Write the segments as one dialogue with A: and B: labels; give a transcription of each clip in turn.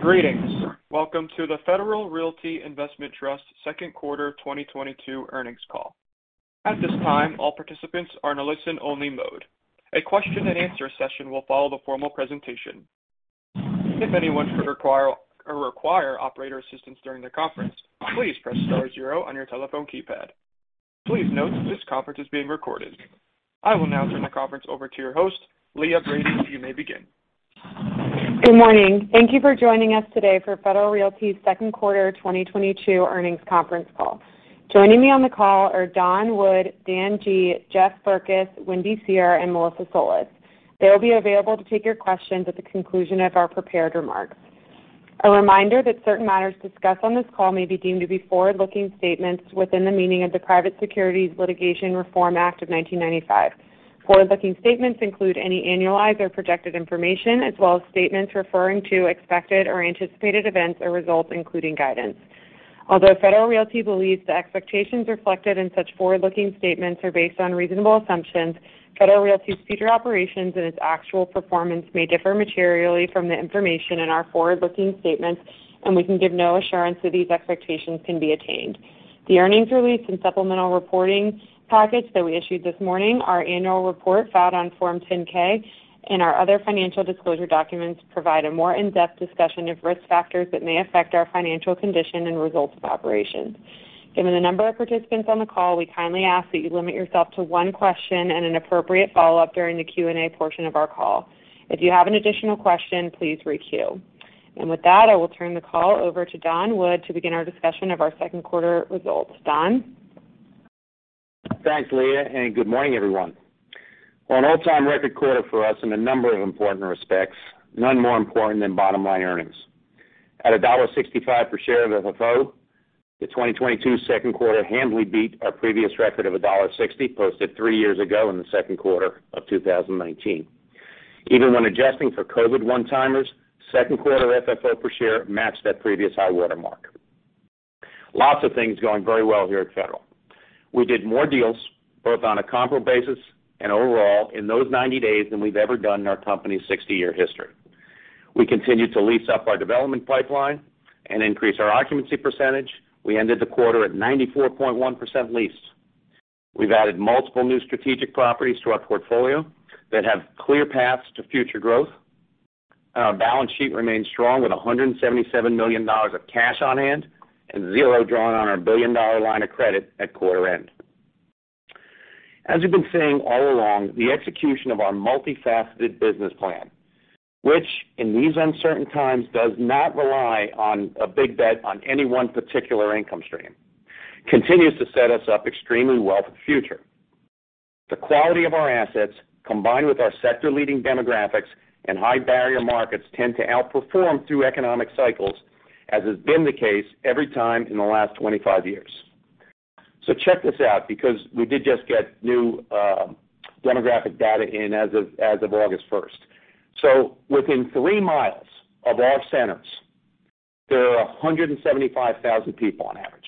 A: Greetings. Welcome to the Federal Realty Investment Trust's second quarter 2022 earnings call. At this time, all participants are in a listen only mode. A question-and-answer session will follow the formal presentation. If anyone should require operator assistance during the conference, please press star zero on your telephone keypad. Please note that this conference is being recorded. I will now turn the conference over to your host, Leah Brady. You may begin.
B: Good morning. Thank you for joining us today for Federal Realty second quarter 2022 earnings conference call. Joining me on the call are Don Wood, Dan Guglielmone, Jeff Berkes, Wendy Seher, and Melissa Solis. They will be available to take your questions at the conclusion of our prepared remarks. A reminder that certain matters discussed on this call may be deemed to be forward-looking statements within the meaning of the Private Securities Litigation Reform Act of 1995. Forward-looking statements include any annualized or projected information, as well as statements referring to expected or anticipated events or results, including guidance. Although Federal Realty believes the expectations reflected in such forward-looking statements are based on reasonable assumptions, Federal Realty's future operations and its actual performance may differ materially from the information in our forward-looking statements, and we can give no assurance that these expectations can be attained. The earnings release and supplemental reporting packets that we issued this morning, our annual report filed on Form 10-K and our other financial disclosure documents provide a more in-depth discussion of risk factors that may affect our financial condition and results of operations. Given the number of participants on the call, we kindly ask that you limit yourself to one question and an appropriate follow-up during the Q&A portion of our call. If you have an additional question, please re-queue. With that, I will turn the call over to Don Wood to begin our discussion of our second quarter results. Don?
C: Thanks, Leah, and good morning, everyone. An all-time record quarter for us in a number of important respects, none more important than bottom-line earnings. At $1.65 per share of FFO, the 2022 second quarter handily beat our previous record of $1.60, posted three years ago in the second quarter of 2019. Even when adjusting for COVID one-timers, second quarter FFO per share matched that previous high watermark. Lots of things going very well here at Federal. We did more deals, both on a comparable basis and overall in those 90 days than we've ever done in our company's 60-year history. We continued to lease up our development pipeline and increase our occupancy percentage. We ended the quarter at 94.1% leased. We've added multiple new strategic properties to our portfolio that have clear paths to future growth. Our balance sheet remains strong with $177 million of cash on hand and zero drawn on our billion-dollar line of credit at quarter end. As we've been saying all along, the execution of our multifaceted business plan, which in these uncertain times does not rely on a big bet on any one particular income stream, continues to set us up extremely well for the future. The quality of our assets, combined with our sector leading demographics and high barrier markets, tend to outperform through economic cycles, as has been the case every time in the last 25 years. Check this out, because we did just get new demographic data in as of August 1st. Within 3 mi of our centers, there are 175,000 people on average.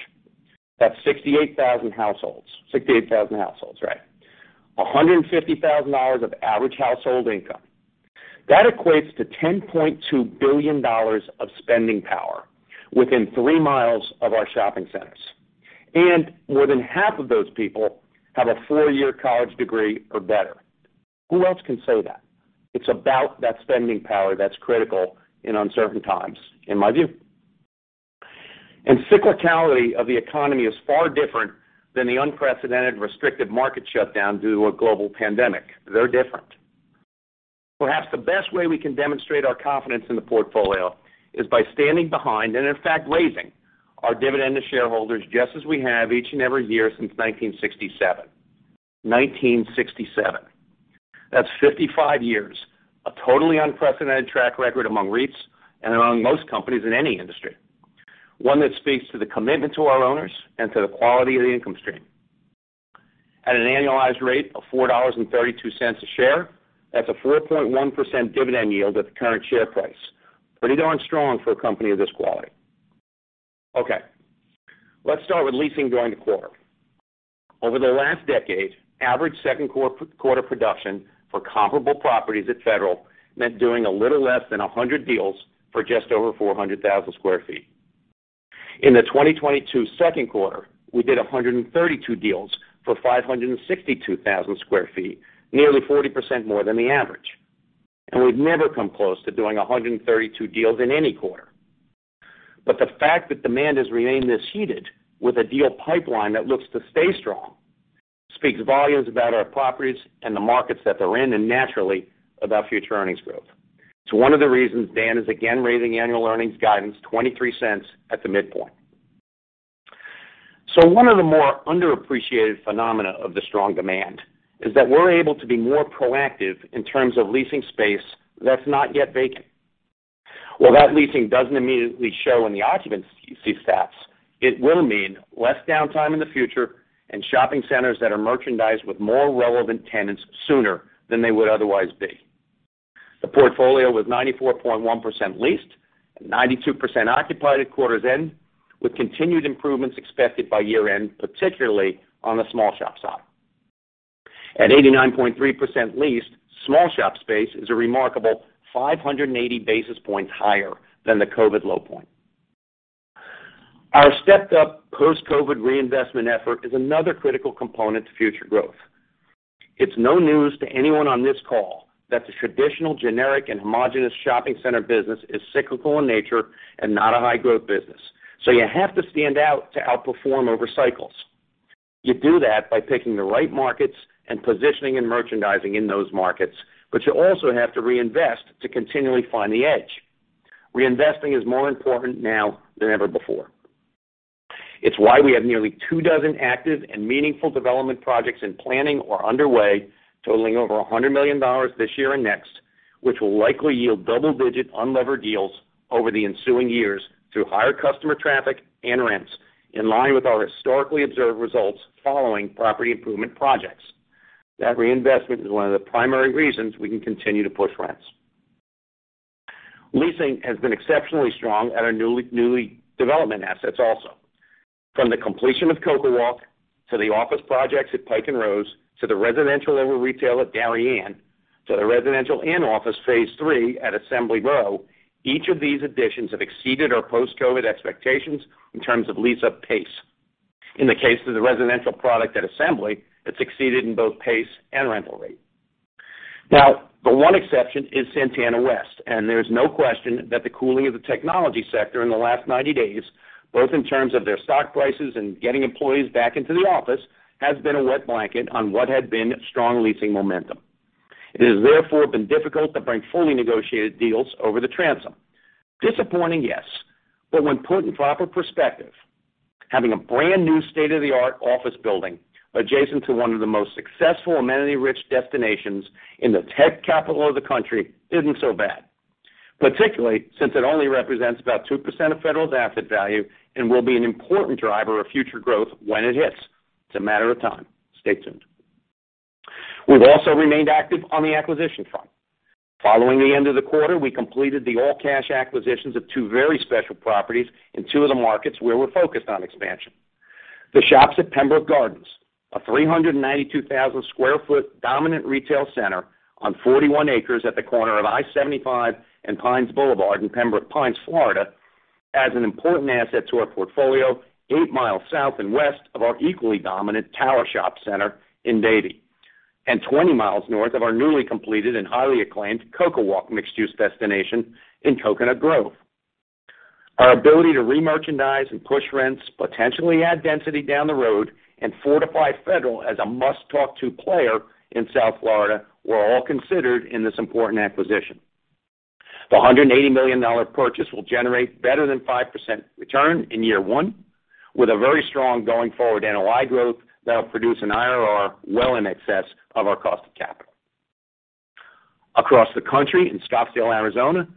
C: That's 68,000 households. $150,000 of average household income. That equates to $10.2 billion of spending power within 3 mi of our shopping centers. More than half of those people have a four-year college degree or better. Who else can say that? It's about that spending power that's critical in uncertain times, in my view. Cyclicality of the economy is far different than the unprecedented restrictive market shutdown due to a global pandemic. They're different. Perhaps the best way we can demonstrate our confidence in the portfolio is by standing behind, and in fact, raising our dividend to shareholders, just as we have each and every year since 1967. 1967, that's 55 years. A totally unprecedented track record among REITs and among most companies in any industry, one that speaks to the commitment to our owners and to the quality of the income stream. At an annualized rate of $4.32 a share, that's a 4.1% dividend yield at the current share price. Pretty darn strong for a company of this quality. Okay, let's start with leasing during the quarter. Over the last decade, average second quarter production for comparable properties at Federal meant doing a little less than 100 deals for just over 400,000 sq ft. In the 2022 second quarter, we did 132 deals for 562,000 sq ft, nearly 40% more than the average. We've never come close to doing 132 deals in any quarter. The fact that demand has remained this heated with a deal pipeline that looks to stay strong, speaks volumes about our properties and the markets that they're in, and naturally about future earnings growth. It's one of the reasons Dan is again raising annual earnings guidance $0.23 at the midpoint. One of the more underappreciated phenomena of the strong demand is that we're able to be more proactive in terms of leasing space that's not yet vacant. While that leasing doesn't immediately show in the occupancy stats, it will mean less downtime in the future and shopping centers that are merchandised with more relevant tenants sooner than they would otherwise be. The portfolio was 94.1% leased and 92% occupied at quarter's end, with continued improvements expected by year end, particularly on the small shop side. At 89.3% leased, small shop space is a remarkable 580 basis points higher than the COVID low point. Our stepped-up post-COVID reinvestment effort is another critical component to future growth. It's no news to anyone on this call that the traditional generic and homogeneous shopping center business is cyclical in nature and not a high-growth business. You have to stand out to outperform over cycles. You do that by picking the right markets and positioning and merchandising in those markets, but you also have to reinvest to continually find the edge. Reinvesting is more important now than ever before. It's why we have nearly 24 active and meaningful development projects in planning or underway, totaling over $100 million this year and next, which will likely yield double-digit unlevered yields over the ensuing years through higher customer traffic and rents, in line with our historically observed results following property improvement projects. That reinvestment is one of the primary reasons we can continue to push rents. Leasing has been exceptionally strong at our newly developed assets also. From the completion of CocoWalk to the office projects at Pike & Rose, to the residential over retail at Darien, to the residential and office phase III at Assembly Row, each of these additions have exceeded our post-COVID expectations in terms of lease-up pace. In the case of the residential product at Assembly, it succeeded in both pace and rental rate. Now, the one exception is Santana West, and there's no question that the cooling of the technology sector in the last 90 days, both in terms of their stock prices and getting employees back into the office, has been a wet blanket on what had been strong leasing momentum. It has therefore been difficult to bring fully negotiated deals over the transom. Disappointing, yes. When put in proper perspective, having a brand-new state-of-the-art office building adjacent to one of the most successful amenity-rich destinations in the tech capital of the country isn't so bad. Particularly since it only represents about 2% of Federal's asset value and will be an important driver of future growth when it hits. It's a matter of time. Stay tuned. We've also remained active on the acquisition front. Following the end of the quarter, we completed the all-cash acquisitions of two very special properties in two of the markets where we're focused on expansion. The Shops at Pembroke Gardens, a 392,000 sq ft dominant retail center on 41 acres at the corner of I-75 and Pines Boulevard in Pembroke Pines, Florida, adds an important asset to our portfolio, 8 mi south and west of our equally dominant Tower Shops center in Davie, and 20 mi north of our newly completed and highly acclaimed CocoWalk mixed-use destination in Coconut Grove. Our ability to re-merchandise and push rents, potentially add density down the road, and fortify Federal as a must-talk-to player in South Florida were all considered in this important acquisition. The $180 million purchase will generate better than 5% return in year one, with a very strong going forward NOI growth that'll produce an IRR well in excess of our cost of capital. Across the country in Scottsdale, Arizona,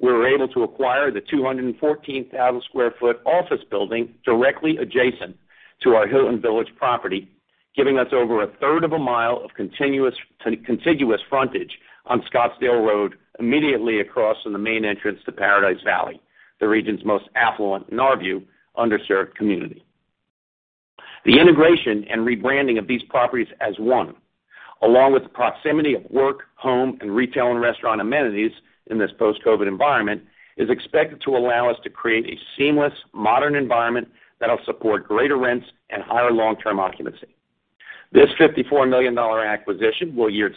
C: we were able to acquire the 214,000 sq ft office building directly adjacent to our Hilton Village property, giving us over 1/3 mi of contiguous frontage on Scottsdale Road, immediately across from the main entrance to Paradise Valley, the region's most affluent, in our view, underserved community. The integration and rebranding of these properties as one, along with the proximity of work, home, and retail and restaurant amenities in this post-COVID environment, is expected to allow us to create a seamless, modern environment that'll support greater rents and higher long-term occupancy. This $54 million acquisition will yield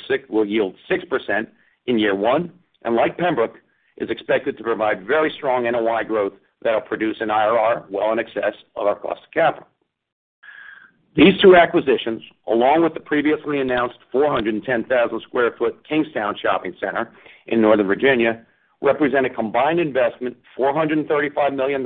C: 6% in year one, and like Pembroke, is expected to provide very strong NOI growth that'll produce an IRR well in excess of our cost of capital. These two acquisitions, along with the previously announced 410,000 sq ft Kingstowne Shopping Center in Northern Virginia, represent a combined investment, $435 million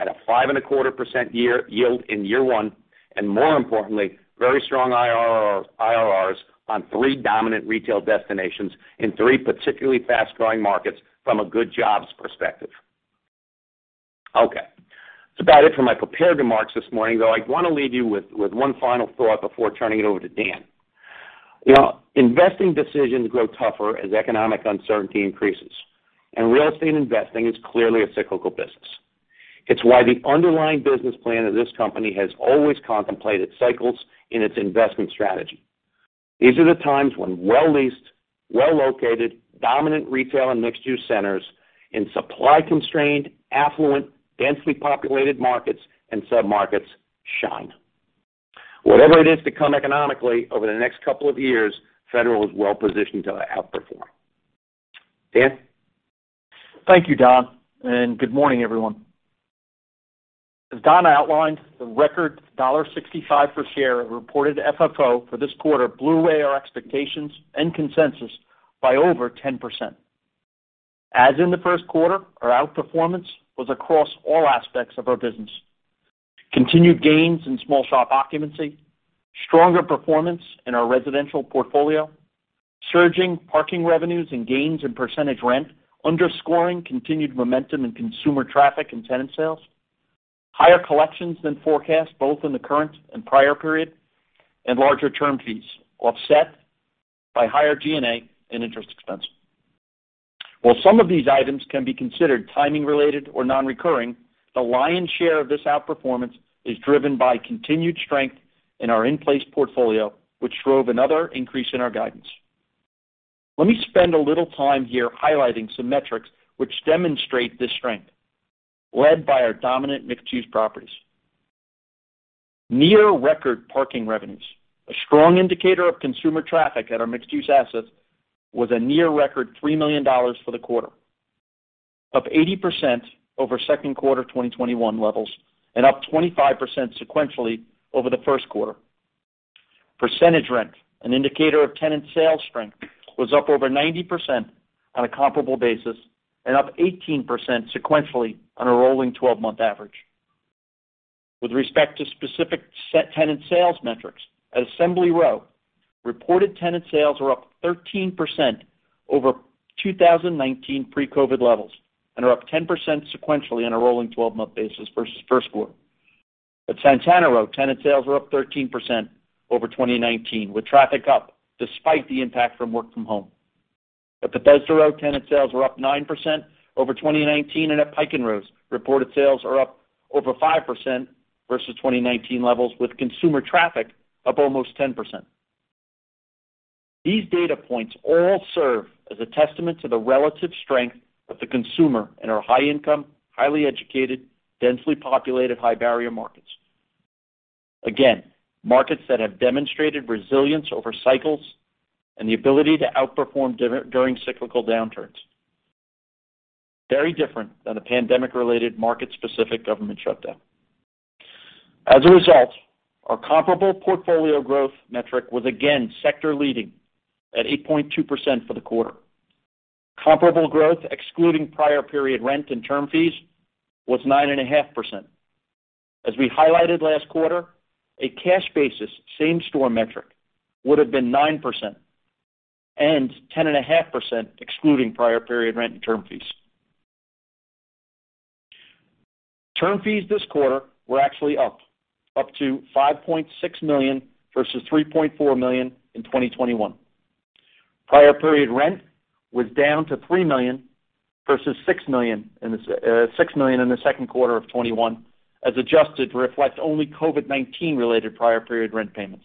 C: at a 5.25% yield in year one, and more importantly, very strong IRRs on three dominant retail destinations in three particularly fast-growing markets from a good jobs perspective. Okay. That's about it for my prepared remarks this morning, though I want to leave you with one final thought before turning it over to Dan. You know, investing decisions grow tougher as economic uncertainty increases, and real estate investing is clearly a cyclical business. It's why the underlying business plan of this company has always contemplated cycles in its investment strategy. These are the times when well-leased, well-located, dominant retail and mixed-use centers in supply-constrained, affluent, densely populated markets and submarkets shine. Whatever it is to come economically over the next couple of years, Federal is well-positioned to outperform. Dan?
D: Thank you, Don, and good morning, everyone. As Don outlined, the record $1.65 per share of reported FFO for this quarter blew away our expectations and consensus by over 10%. As in the first quarter, our outperformance was across all aspects of our business. Continued gains in small shop occupancy, stronger performance in our residential portfolio, surging parking revenues and gains in percentage rent underscoring continued momentum in consumer traffic and tenant sales, higher collections than forecast, both in the current and prior period, and larger term fees offset by higher G&A and interest expense. While some of these items can be considered timing related or non-recurring, the lion's share of this outperformance is driven by continued strength in our in-place portfolio, which drove another increase in our guidance. Let me spend a little time here highlighting some metrics which demonstrate this strength led by our dominant mixed-use properties. Near record parking revenues, a strong indicator of consumer traffic at our mixed-use assets was a near record $3 million for the quarter, up 80% over second quarter 2021 levels and up 25% sequentially over the first quarter. Percentage rent, an indicator of tenant sales strength, was up over 90% on a comparable basis and up 18% sequentially on a rolling 12-month average. With respect to specific asset tenant sales metrics, at Assembly Row, reported tenant sales are up 13% over 2019 pre-COVID levels and are up 10% sequentially on a rolling 12-month basis versus first quarter. At Santana Row, tenant sales are up 13% over 2019, with traffic up despite the impact from work from home. At Bethesda Row, tenant sales are up 9% over 2019, and at Pike & Rose, reported sales are up over 5% versus 2019 levels, with consumer traffic up almost 10%. These data points all serve as a testament to the relative strength of the consumer in our high income, highly educated, densely populated high-barrier markets. Markets that have demonstrated resilience over cycles and the ability to outperform during cyclical downturns. Very different than the pandemic related market specific government shutdown. As a result, our comparable portfolio growth metric was again sector leading at 8.2% for the quarter. Comparable growth excluding prior period rent and term fees was 9.5%. As we highlighted last quarter, a cash basis same store metric would have been 9% and 10.5% excluding prior period rent and term fees. Term fees this quarter were actually up to $5.6 million versus $3.4 million in 2021. Prior period rent was down to $3 million versus $6 million in the second quarter of 2021 as adjusted to reflect only COVID-19 related prior period rent payments.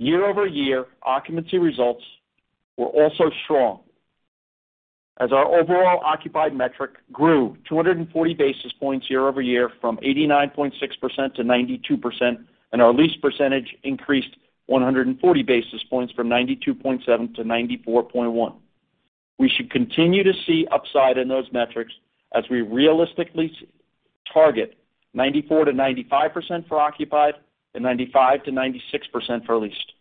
D: Year-over-year occupancy results were also strong as our overall occupied metric grew 240 basis points year-over-year from 89.6%-92%, and our lease percentage increased 140 basis points from 92.7%-94.1%. We should continue to see upside in those metrics as we realistically target 94%-95% for occupied and 95%-96% for leased.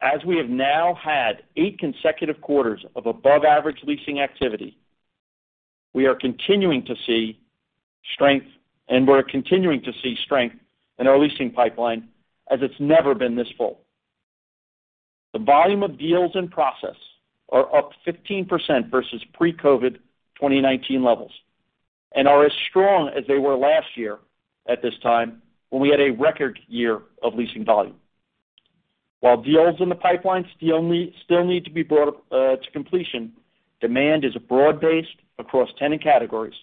D: As we have now had eight consecutive quarters of above average leasing activity, we are continuing to see strength, and we're continuing to see strength in our leasing pipeline as it's never been this full. The volume of deals in process are up 15% versus pre-COVID 2019 levels and are as strong as they were last year at this time when we had a record year of leasing volume. While deals in the pipeline still need to be brought to completion, demand is broad-based across tenant categories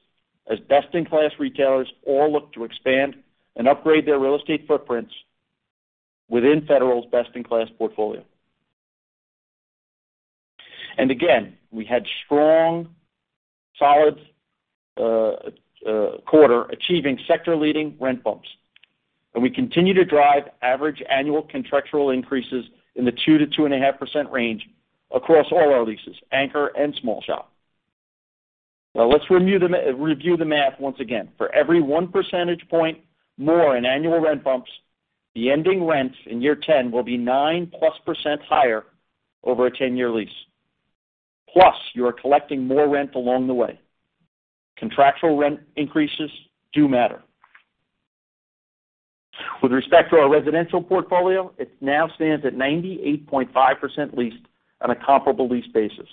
D: as best in class retailers all look to expand and upgrade their real estate footprints within Federal's best in class portfolio. Again, we had strong, solid quarter achieving sector leading rent bumps. We continue to drive average annual contractual increases in the 2%-2.5% range across all our leases, anchor and small shop. Now let's review the math once again. For every 1 percentage point more in annual rent bumps, the ending rents in year 10 will be 9%+ higher over a 10-year lease. Plus, you are collecting more rent along the way. Contractual rent increases do matter. With respect to our residential portfolio, it now stands at 98.5% leased on a comparable lease basis,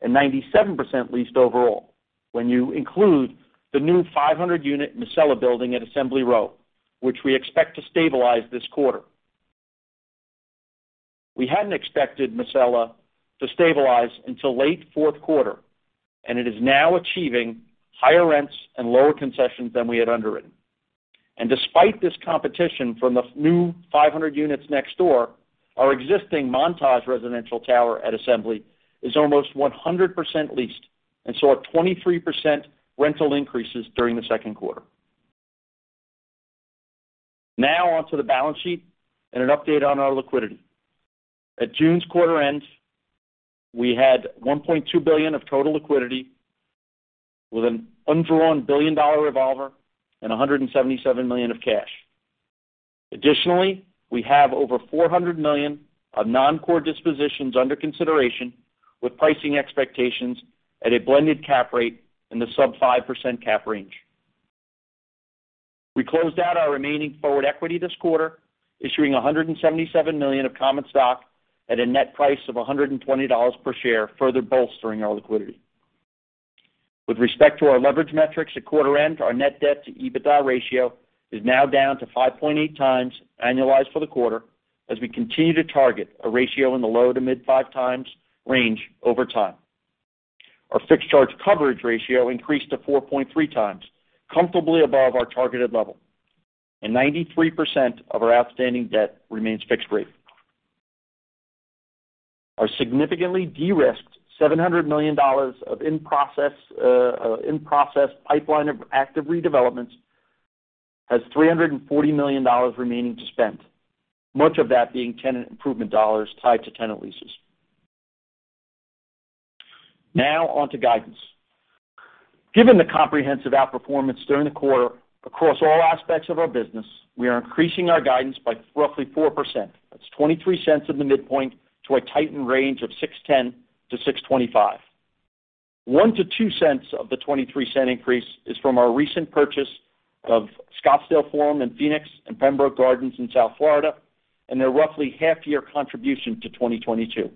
D: and 97% leased overall when you include the new 500-unit Miscela building at Assembly Row, which we expect to stabilize this quarter. We hadn't expected Miscela to stabilize until late fourth quarter, and it is now achieving higher rents and lower concessions than we had underwritten. Despite this competition from the new 500 units next door, our existing Montaje residential tower at Assembly is almost 100% leased and saw a 23% rental increases during the second quarter. Now onto the balance sheet and an update on our liquidity. At June's quarter end, we had $1.2 billion of total liquidity with an undrawn $1 billion revolver and $177 million of cash. Additionally, we have over $400 million of non-core dispositions under consideration with pricing expectations at a blended cap rate in the sub-5% cap range. We closed out our remaining forward equity this quarter, issuing $177 million of common stock at a net price of $120 per share, further bolstering our liquidity. With respect to our leverage metrics at quarter end, our net debt to EBITDA ratio is now down to 5.8 times annualized for the quarter as we continue to target a ratio in the low- to mid-5 times range over time. Our fixed charge coverage ratio increased to 4.3 times, comfortably above our targeted level, and 93% of our outstanding debt remains fixed rate. Our significantly de-risked $700 million of in-process pipeline of active redevelopments has $340 million remaining to spend, much of that being tenant improvement dollars tied to tenant leases. Now on to guidance. Given the comprehensive outperformance during the quarter across all aspects of our business, we are increasing our guidance by roughly 4%. That's $0.23 in the midpoint to a tightened range of $6.10-$6.25. $0.01-$0.02 of the $0.23 increase is from our recent purchase of Scottsdale Forum in Phoenix and Pembroke Gardens in South Florida, and their roughly half-year contribution to 2022.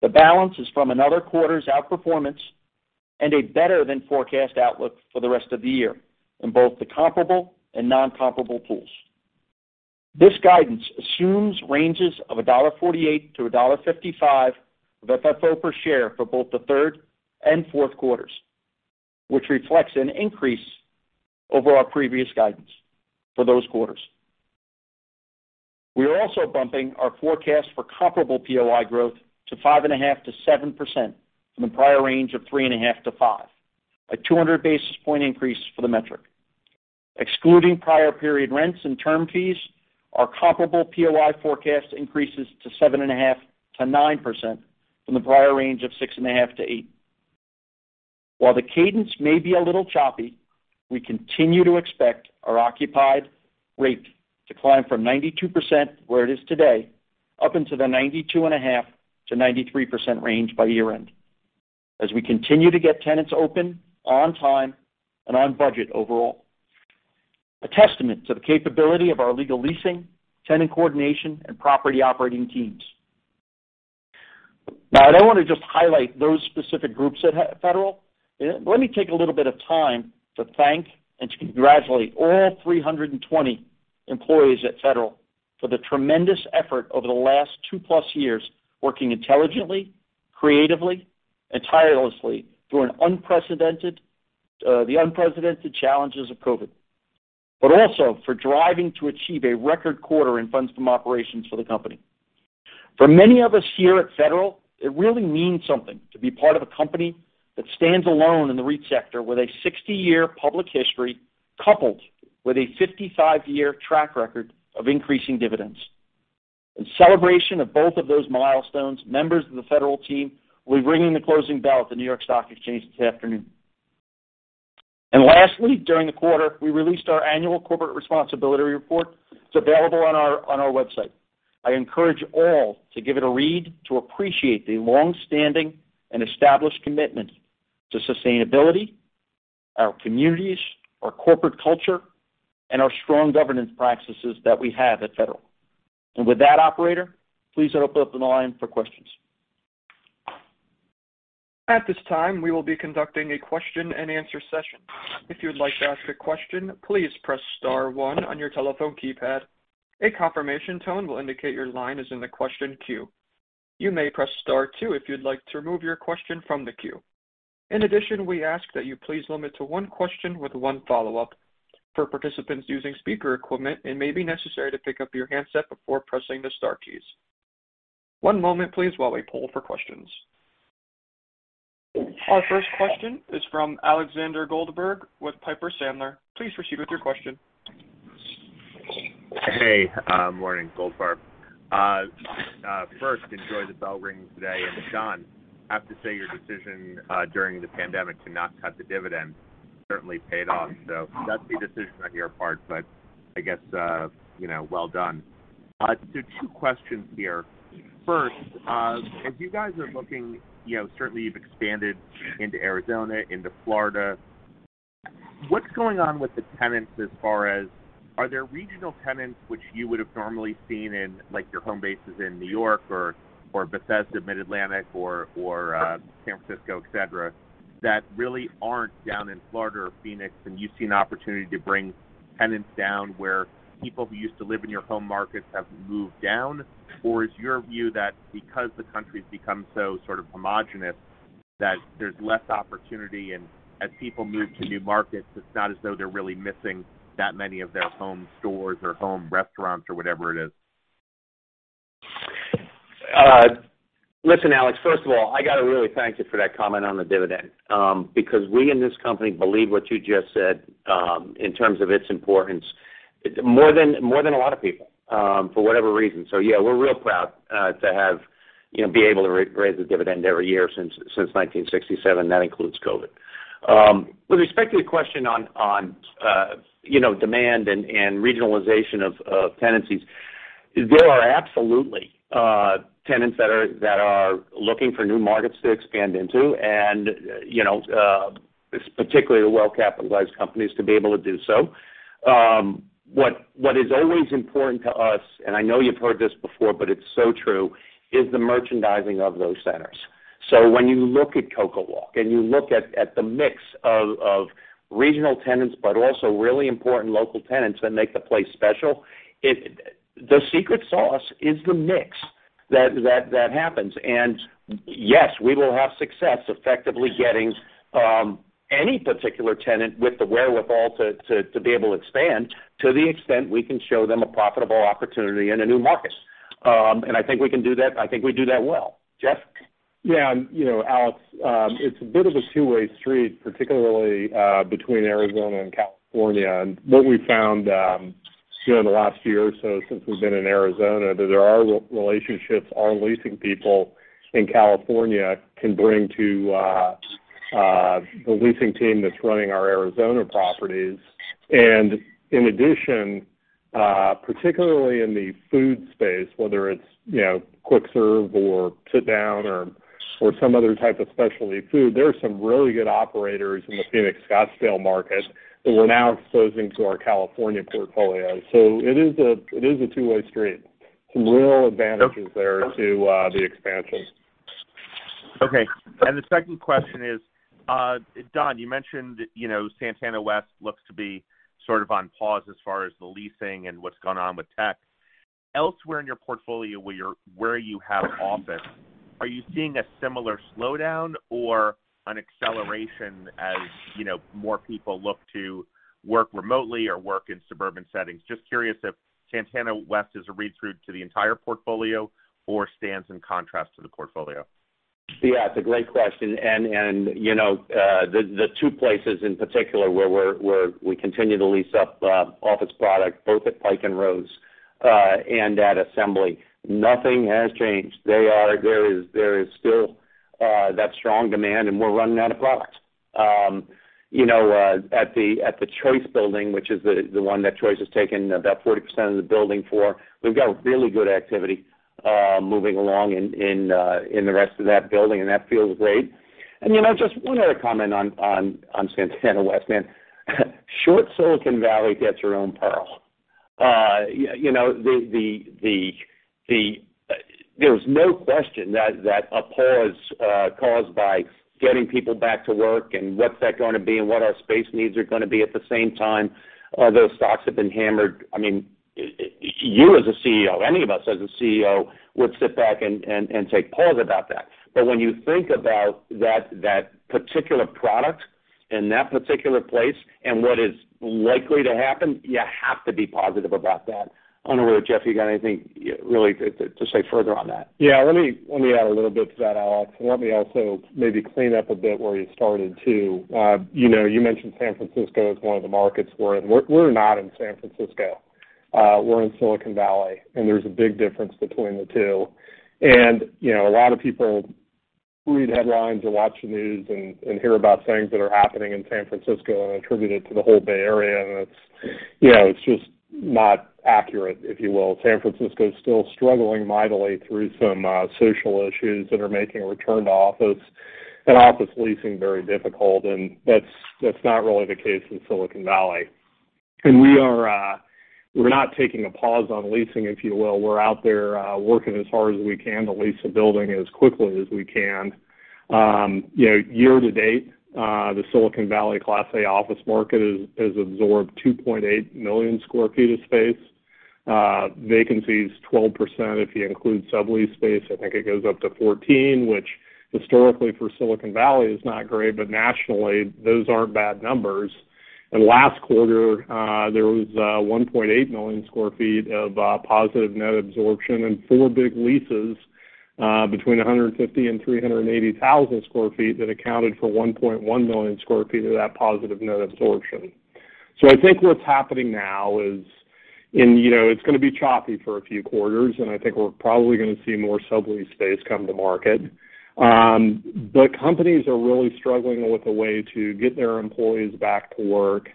D: The balance is from another quarter's outperformance and a better than forecast outlook for the rest of the year in both the comparable and non-comparable pools. This guidance assumes ranges of $1.48-$1.55 of FFO per share for both the third and fourth quarters, which reflects an increase over our previous guidance for those quarters. We are also bumping our forecast for comparable POI growth to 5.5%-7% from the prior range of 3.5%-5%, a 200 basis point increase for the metric. Excluding prior period rents and term fees, our comparable POI forecast increases to 7.5%-9% from the prior range of 6.5%-8%. While the cadence may be a little choppy, we continue to expect our occupied rate to climb from 92%, where it is today, up into the 92.5%-93% range by year-end. As we continue to get tenants open on time and on budget overall, a testament to the capability of our legal leasing, tenant coordination, and property operating teams. Now, I don't want to just highlight those specific groups at Federal. Let me take a little bit of time to thank and to congratulate all 320 employees at Federal for the tremendous effort over the last 2+ years working intelligently, creatively, and tirelessly through the unprecedented challenges of COVID, but also for driving to achieve a record quarter in funds from operations for the company. For many of us here at Federal, it really means something to be part of a company that stands alone in the REIT sector with a 60-year public history, coupled with a 55-year track record of increasing dividends. In celebration of both of those milestones, members of the Federal team will be ringing the closing bell at the New York Stock Exchange this afternoon. Lastly, during the quarter, we released our annual corporate responsibility report. It's available on our website. I encourage all to give it a read to appreciate the long-standing and established commitment to sustainability, our communities, our corporate culture, and our strong governance practices that we have at Federal. With that, operator, please open up the line for questions.
A: At this time, we will be conducting a question-and-answer session. If you would like to ask a question, please press star one on your telephone keypad. A confirmation tone will indicate your line is in the question queue. You may press star two if you'd like to remove your question from the queue. In addition, we ask that you please limit to one question with one follow-up. For participants using speaker equipment, it may be necessary to pick up your handset before pressing the star keys. One moment, please, while we poll for questions. Our first question is from Alexander Goldfarb with Piper Sandler. Please proceed with your question.
E: Hey, morning. Goldfarb. First, enjoy the bell ringing today. And Don, I have to say your decision during the pandemic to not cut the dividend certainly paid off. That's a decision on your part, but I guess, you know, well done. Two questions here. First, as you guys are looking, you know, certainly you've expanded into Arizona, into Florida. What's going on with the tenants as far as are there regional tenants which you would have normally seen in, like, your home bases in New York or Bethesda, Mid-Atlantic or San Francisco, etc, that really aren't down in Florida or Phoenix, and you see an opportunity to bring tenants down where people who used to live in your home markets have moved down? Is your view that because the country's become so sort of homogenous that there's less opportunity and as people move to new markets, it's not as though they're really missing that many of their home stores or home restaurants or whatever it is?
C: Listen, Alex, first of all, I got to really thank you for that comment on the dividend, because we in this company believe what you just said, in terms of its importance more than a lot of people, for whatever reason. Yeah, we're real proud to have, you know, be able to raise the dividend every year since 1967. That includes COVID. With respect to the question on, you know, demand and regionalization of tenancies, there are absolutely tenants that are looking for new markets to expand into and, you know, particularly the well-capitalized companies to be able to do so. What is always important to us, and I know you've heard this before, but it's so true, is the merchandising of those centers. When you look at CocoWalk and you look at the mix of regional tenants, but also really important local tenants that make the place special, it, the secret sauce is the mix that happens. Yes, we will have success effectively getting any particular tenant with the wherewithal to be able to expand to the extent we can show them a profitable opportunity in a new market. I think we can do that, and I think we do that well. Jeff?
F: Yeah. You know, Alex, it's a bit of a two-way street, particularly between Arizona and California. What we've found, you know, in the last year or so since we've been in Arizona, that there are relationships our leasing people in California can bring to the leasing team that's running our Arizona properties. In addition, particularly in the food space, whether it's, you know, quick serve or sit down or some other type of specialty food, there are some really good operators in the Phoenix-Scottsdale market that we're now exposing to our California portfolio. It is a two-way street. Some real advantages there to the expansion.
E: Okay. The second question is, Don, you mentioned, you know, Santana West looks to be sort of on pause as far as the leasing and what's gone on with tech. Elsewhere in your portfolio where you have office, are you seeing a similar slowdown or an acceleration as, you know, more people look to work remotely or work in suburban settings? Just curious if Santana West is a read-through to the entire portfolio or stands in contrast to the portfolio.
C: Yeah, it's a great question. The two places in particular where we continue to lease up office product both at Pike & Rose and at Assembly Row, nothing has changed. There is still that strong demand, and we're running out of product. You know, at the Choice building, which is the one that Choice has taken about 40% of the building for, we've got really good activity moving along in the rest of that building, and that feels great. You know, just one other comment on Santana West, man, short Silicon Valley gets her own peril. You know, there's no question that a pause caused by getting people back to work and what's that gonna be and what our space needs are gonna be at the same time, those stocks have been hammered. I mean, you as a CEO, any of us as a CEO would sit back and take pause about that. When you think about that particular product in that particular place and what is likely to happen, you have to be positive about that. I don't know whether, Jeff, you got anything really to say further on that.
F: Yeah. Let me add a little bit to that, Alex, and let me also maybe clean up a bit where you started, too. You know, you mentioned San Francisco as one of the markets we're in. We're not in San Francisco. We're in Silicon Valley, and there's a big difference between the two. You know, a lot of people read headlines and watch the news and hear about things that are happening in San Francisco and attribute it to the whole Bay Area, and it's, you know, just not accurate, if you will. San Francisco is still struggling mightily through some social issues that are making a return to office and office leasing very difficult, and that's not really the case in Silicon Valley. We're not taking a pause on leasing, if you will. We're out there, working as hard as we can to lease a building as quickly as we can. You know, year-to-date, the Silicon Valley Class A office market has absorbed 2.8 million sq ft of space. Vacancy is 12%. If you include sublease space, I think it goes up to 14%, which historically for Silicon Valley is not great, but nationally, those aren't bad numbers. Last quarter, there was 1.8 million sq ft of positive net absorption and 4 big leases between 150 and 380 thousand sq ft that accounted for 1.1 million sq ft of that positive net absorption. I think what's happening now is in You know, it's gonna be choppy for a few quarters, and I think we're probably gonna see more sublease space come to market. Companies are really struggling with a way to get their employees back to work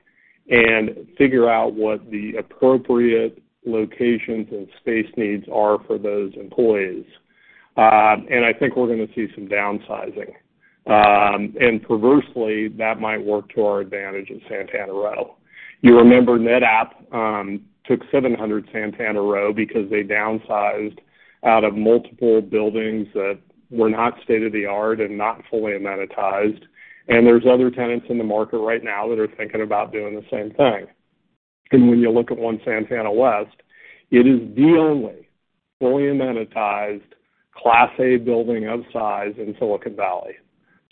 F: and figure out what the appropriate locations and space needs are for those employees. I think we're gonna see some downsizing. Perversely, that might work to our advantage in Santana Row. You remember NetApp took 700 Santana Row because they downsized out of multiple buildings that were not state-of-the-art and not fully amenitized, and there's other tenants in the market right now that are thinking about doing the same thing. When you look at One Santana West, it is the only fully amenitized Class A building of size in Silicon Valley.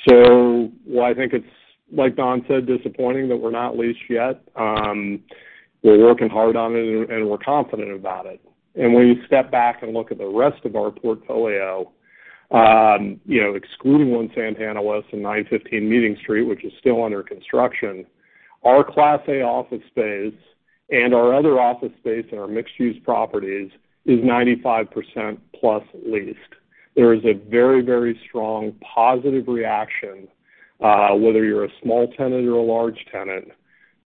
F: While I think it's, like Don said, disappointing that we're not leased yet, we're working hard on it and we're confident about it. When you step back and look at the rest of our portfolio, you know, excluding One Santana West and 915 Meeting Street, which is still under construction, our Class A office space and our other office space and our mixed-use properties is 95%+ leased. There is a very, very strong positive reaction, whether you're a small tenant or a large tenant,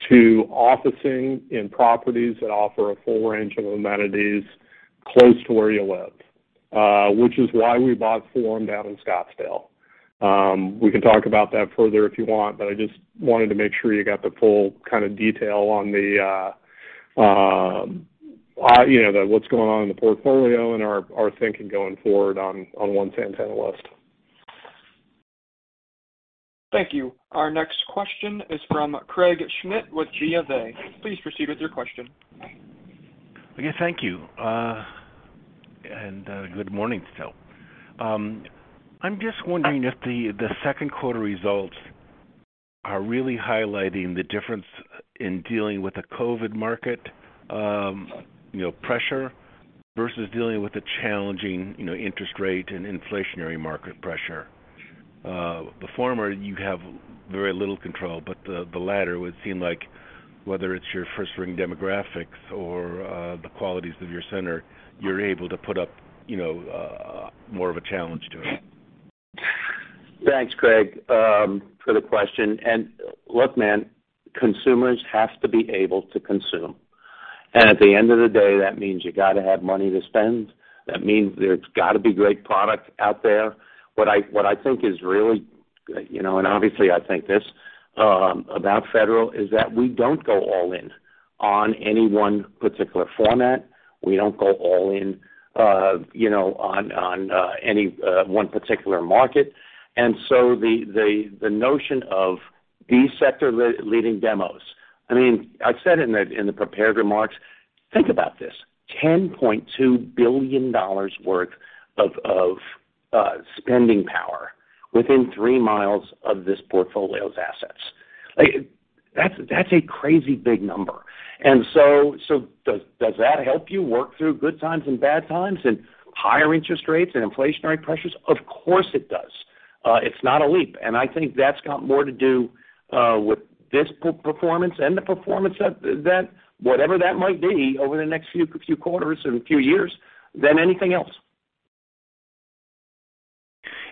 F: to officing in properties that offer a full range of amenities close to where you live. Which is why we bought Scottsdale Forum down in Scottsdale. We can talk about that further if you want, but I just wanted to make sure you got the full kind of detail on, you know, what's going on in the portfolio and our thinking going forward on One Santana West.
A: Thank you. Our next question is from Craig Schmidt with Jefferies. Please proceed with your question.
G: Okay. Thank you. Good morning to all. I'm just wondering if the second quarter results are really highlighting the difference in dealing with the COVID market, you know, pressure versus dealing with the challenging, you know, interest rate and inflationary market pressure. The former you have very little control, but the latter would seem like whether it's your first ring demographics or the qualities of your center, you're able to put up, you know, more of a challenge to it.
C: Thanks, Craig, for the question. Look, man, consumers have to be able to consume. At the end of the day, that means you gotta have money to spend. That means there's gotta be great product out there. What I think is really, you know, and obviously I think this about Federal, is that we don't go all in on any one particular format. We don't go all in, you know, on any one particular market. The notion of these sector leading demographics, I mean, I've said in the prepared remarks, think about this, $10.2 billion worth of spending power within 3 mi of this portfolio's assets. Like, that's a crazy big number. Does that help you work through good times and bad times and higher interest rates and inflationary pressures? Of course, it does. It's not a leap. I think that's got more to do with this poor performance and the performance of the event, whatever that might be over the next few quarters and few years than anything else.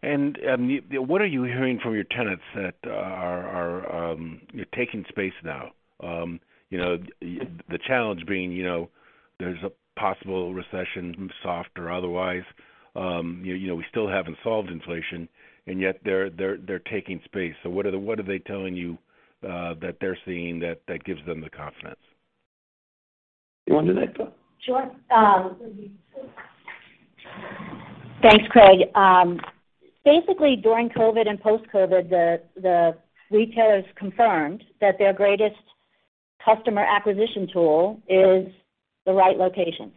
G: What are you hearing from your tenants that are taking space now? You know, the challenge being, you know, there's a possible recession, soft or otherwise, you know, we still haven't solved inflation, and yet they're taking space. What are they telling you that they're seeing that gives them the confidence?
C: You want to take that?
H: Sure. Thanks, Craig. Basically, during COVID and post-COVID, the retailers confirmed that their greatest customer acquisition tool is the right locations.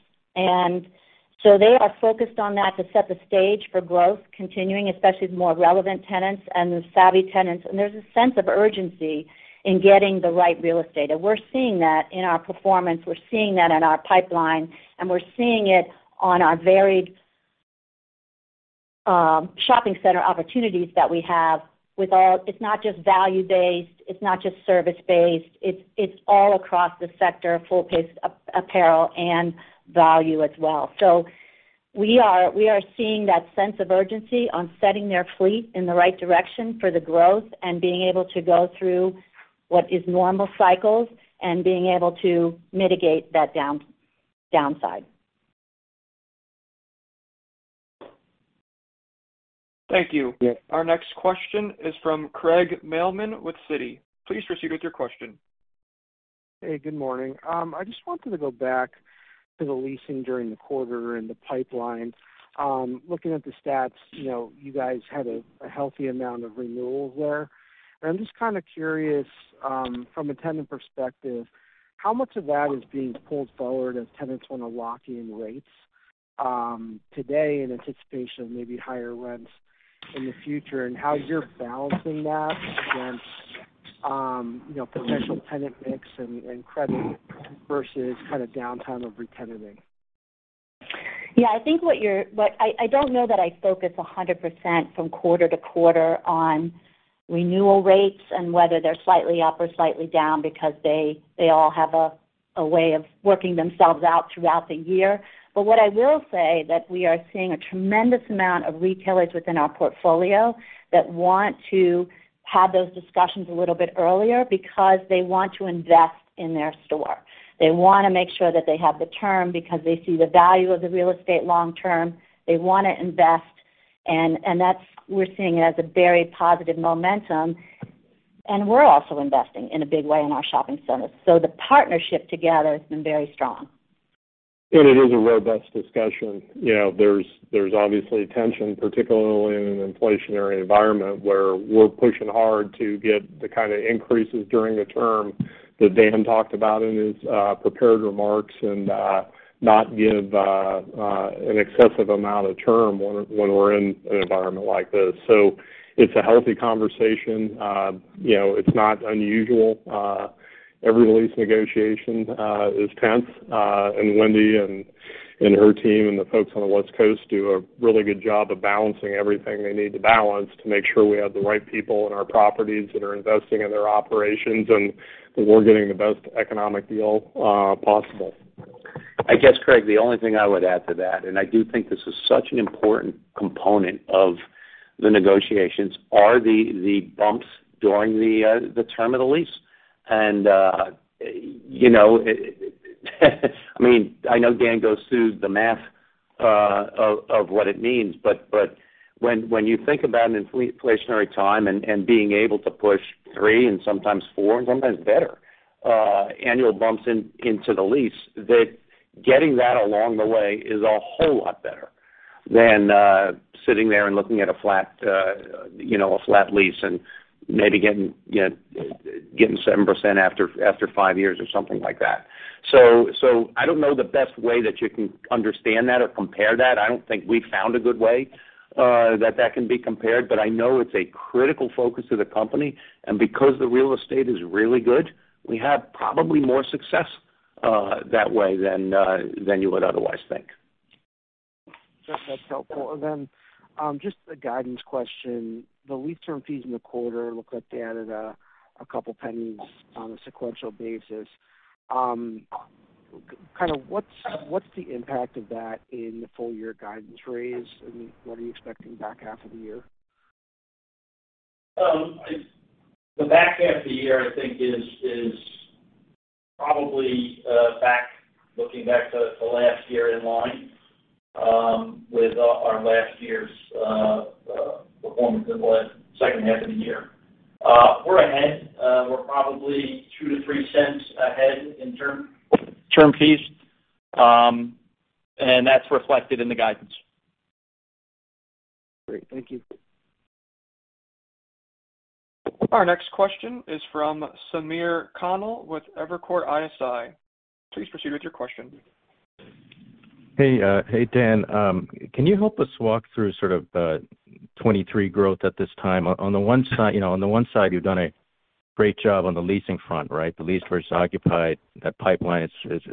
H: They are focused on that to set the stage for growth continuing, especially with more relevant tenants and the savvy tenants. There's a sense of urgency in getting the right real estate. We're seeing that in our performance, we're seeing that in our pipeline, and we're seeing it on our varied shopping center opportunities that we have. It's not just value-based, it's not just service-based, it's all across the sector, full-price apparel and value as well. We are seeing that sense of urgency on setting their fleet in the right direction for the growth and being able to go through what is normal cycles and being able to mitigate that downside.
A: Thank you. Our next question is from Craig Mailman with Citi. Please proceed with your question.
I: Hey, good morning. I just wanted to go back to the leasing during the quarter and the pipeline. Looking at the stats, you know, you guys had a healthy amount of renewals there. I'm just kind of curious, from a tenant perspective, how much of that is being pulled forward as tenants wanna lock in rates, today in anticipation of maybe higher rents in the future, and how you're balancing that against, you know, potential tenant mix and credit versus kind of downtime of retenanting.
H: I don't know that I focus 100% from quarter to quarter on renewal rates and whether they're slightly up or slightly down because they all have a way of working themselves out throughout the year. What I will say is that we are seeing a tremendous amount of retailers within our portfolio that want to have those discussions a little bit earlier because they want to invest in their store. They wanna make sure that they have the term because they see the value of the real estate long term. They wanna invest, and that's what we're seeing it as a very positive momentum. We're also investing in a big way in our shopping centers. The partnership together has been very strong.
F: It is a robust discussion. You know, there's obviously tension, particularly in an inflationary environment where we're pushing hard to get the kind of increases during the term that Dan talked about in his prepared remarks and not give an excessive amount of term when we're in an environment like this. It's a healthy conversation. You know, it's not unusual. Every lease negotiation is tense, and Wendy and her team and the folks on the West Coast do a really good job of balancing everything they need to balance to make sure we have the right people in our properties that are investing in their operations and that we're getting the best economic deal possible.
C: I guess, Craig, the only thing I would add to that, and I do think this is such an important component of the negotiations are the bumps during the term of the lease. You know, I mean, I know Dan goes through the math of what it means. But when you think about an inflationary time and being able to push three and sometimes four and sometimes better annual bumps into the lease, that getting that along the way is a whole lot better than sitting there and looking at a flat, you know, a flat lease and maybe getting 7% after five years or something like that. I don't know the best way that you can understand that or compare that. I don't think we've found a good way, that can be compared. I know it's a critical focus of the company. Because the real estate is really good, we have probably more success, that way than you would otherwise think.
I: That's helpful. Just a guidance question. The lease term fees in the quarter look like they added a couple pennies on a sequential basis. Kind of what's the impact of that in the full year guidance raise, and what are you expecting back half of the year?
D: The back half of the year, I think is probably looking back to last year in line with our last year's performance in the latter half of the year. We're ahead. We're probably $0.02-$0.03 ahead in terms of FFO. That's reflected in the guidance.
I: Great. Thank you.
A: Our next question is from Samir Khanal with Evercore ISI. Please proceed with your question.
J: Hey, Dan. Can you help us walk through sort of the 2023 growth at this time? On the one side, you know, you've done a great job on the leasing front, right? The lease versus occupied, that pipeline is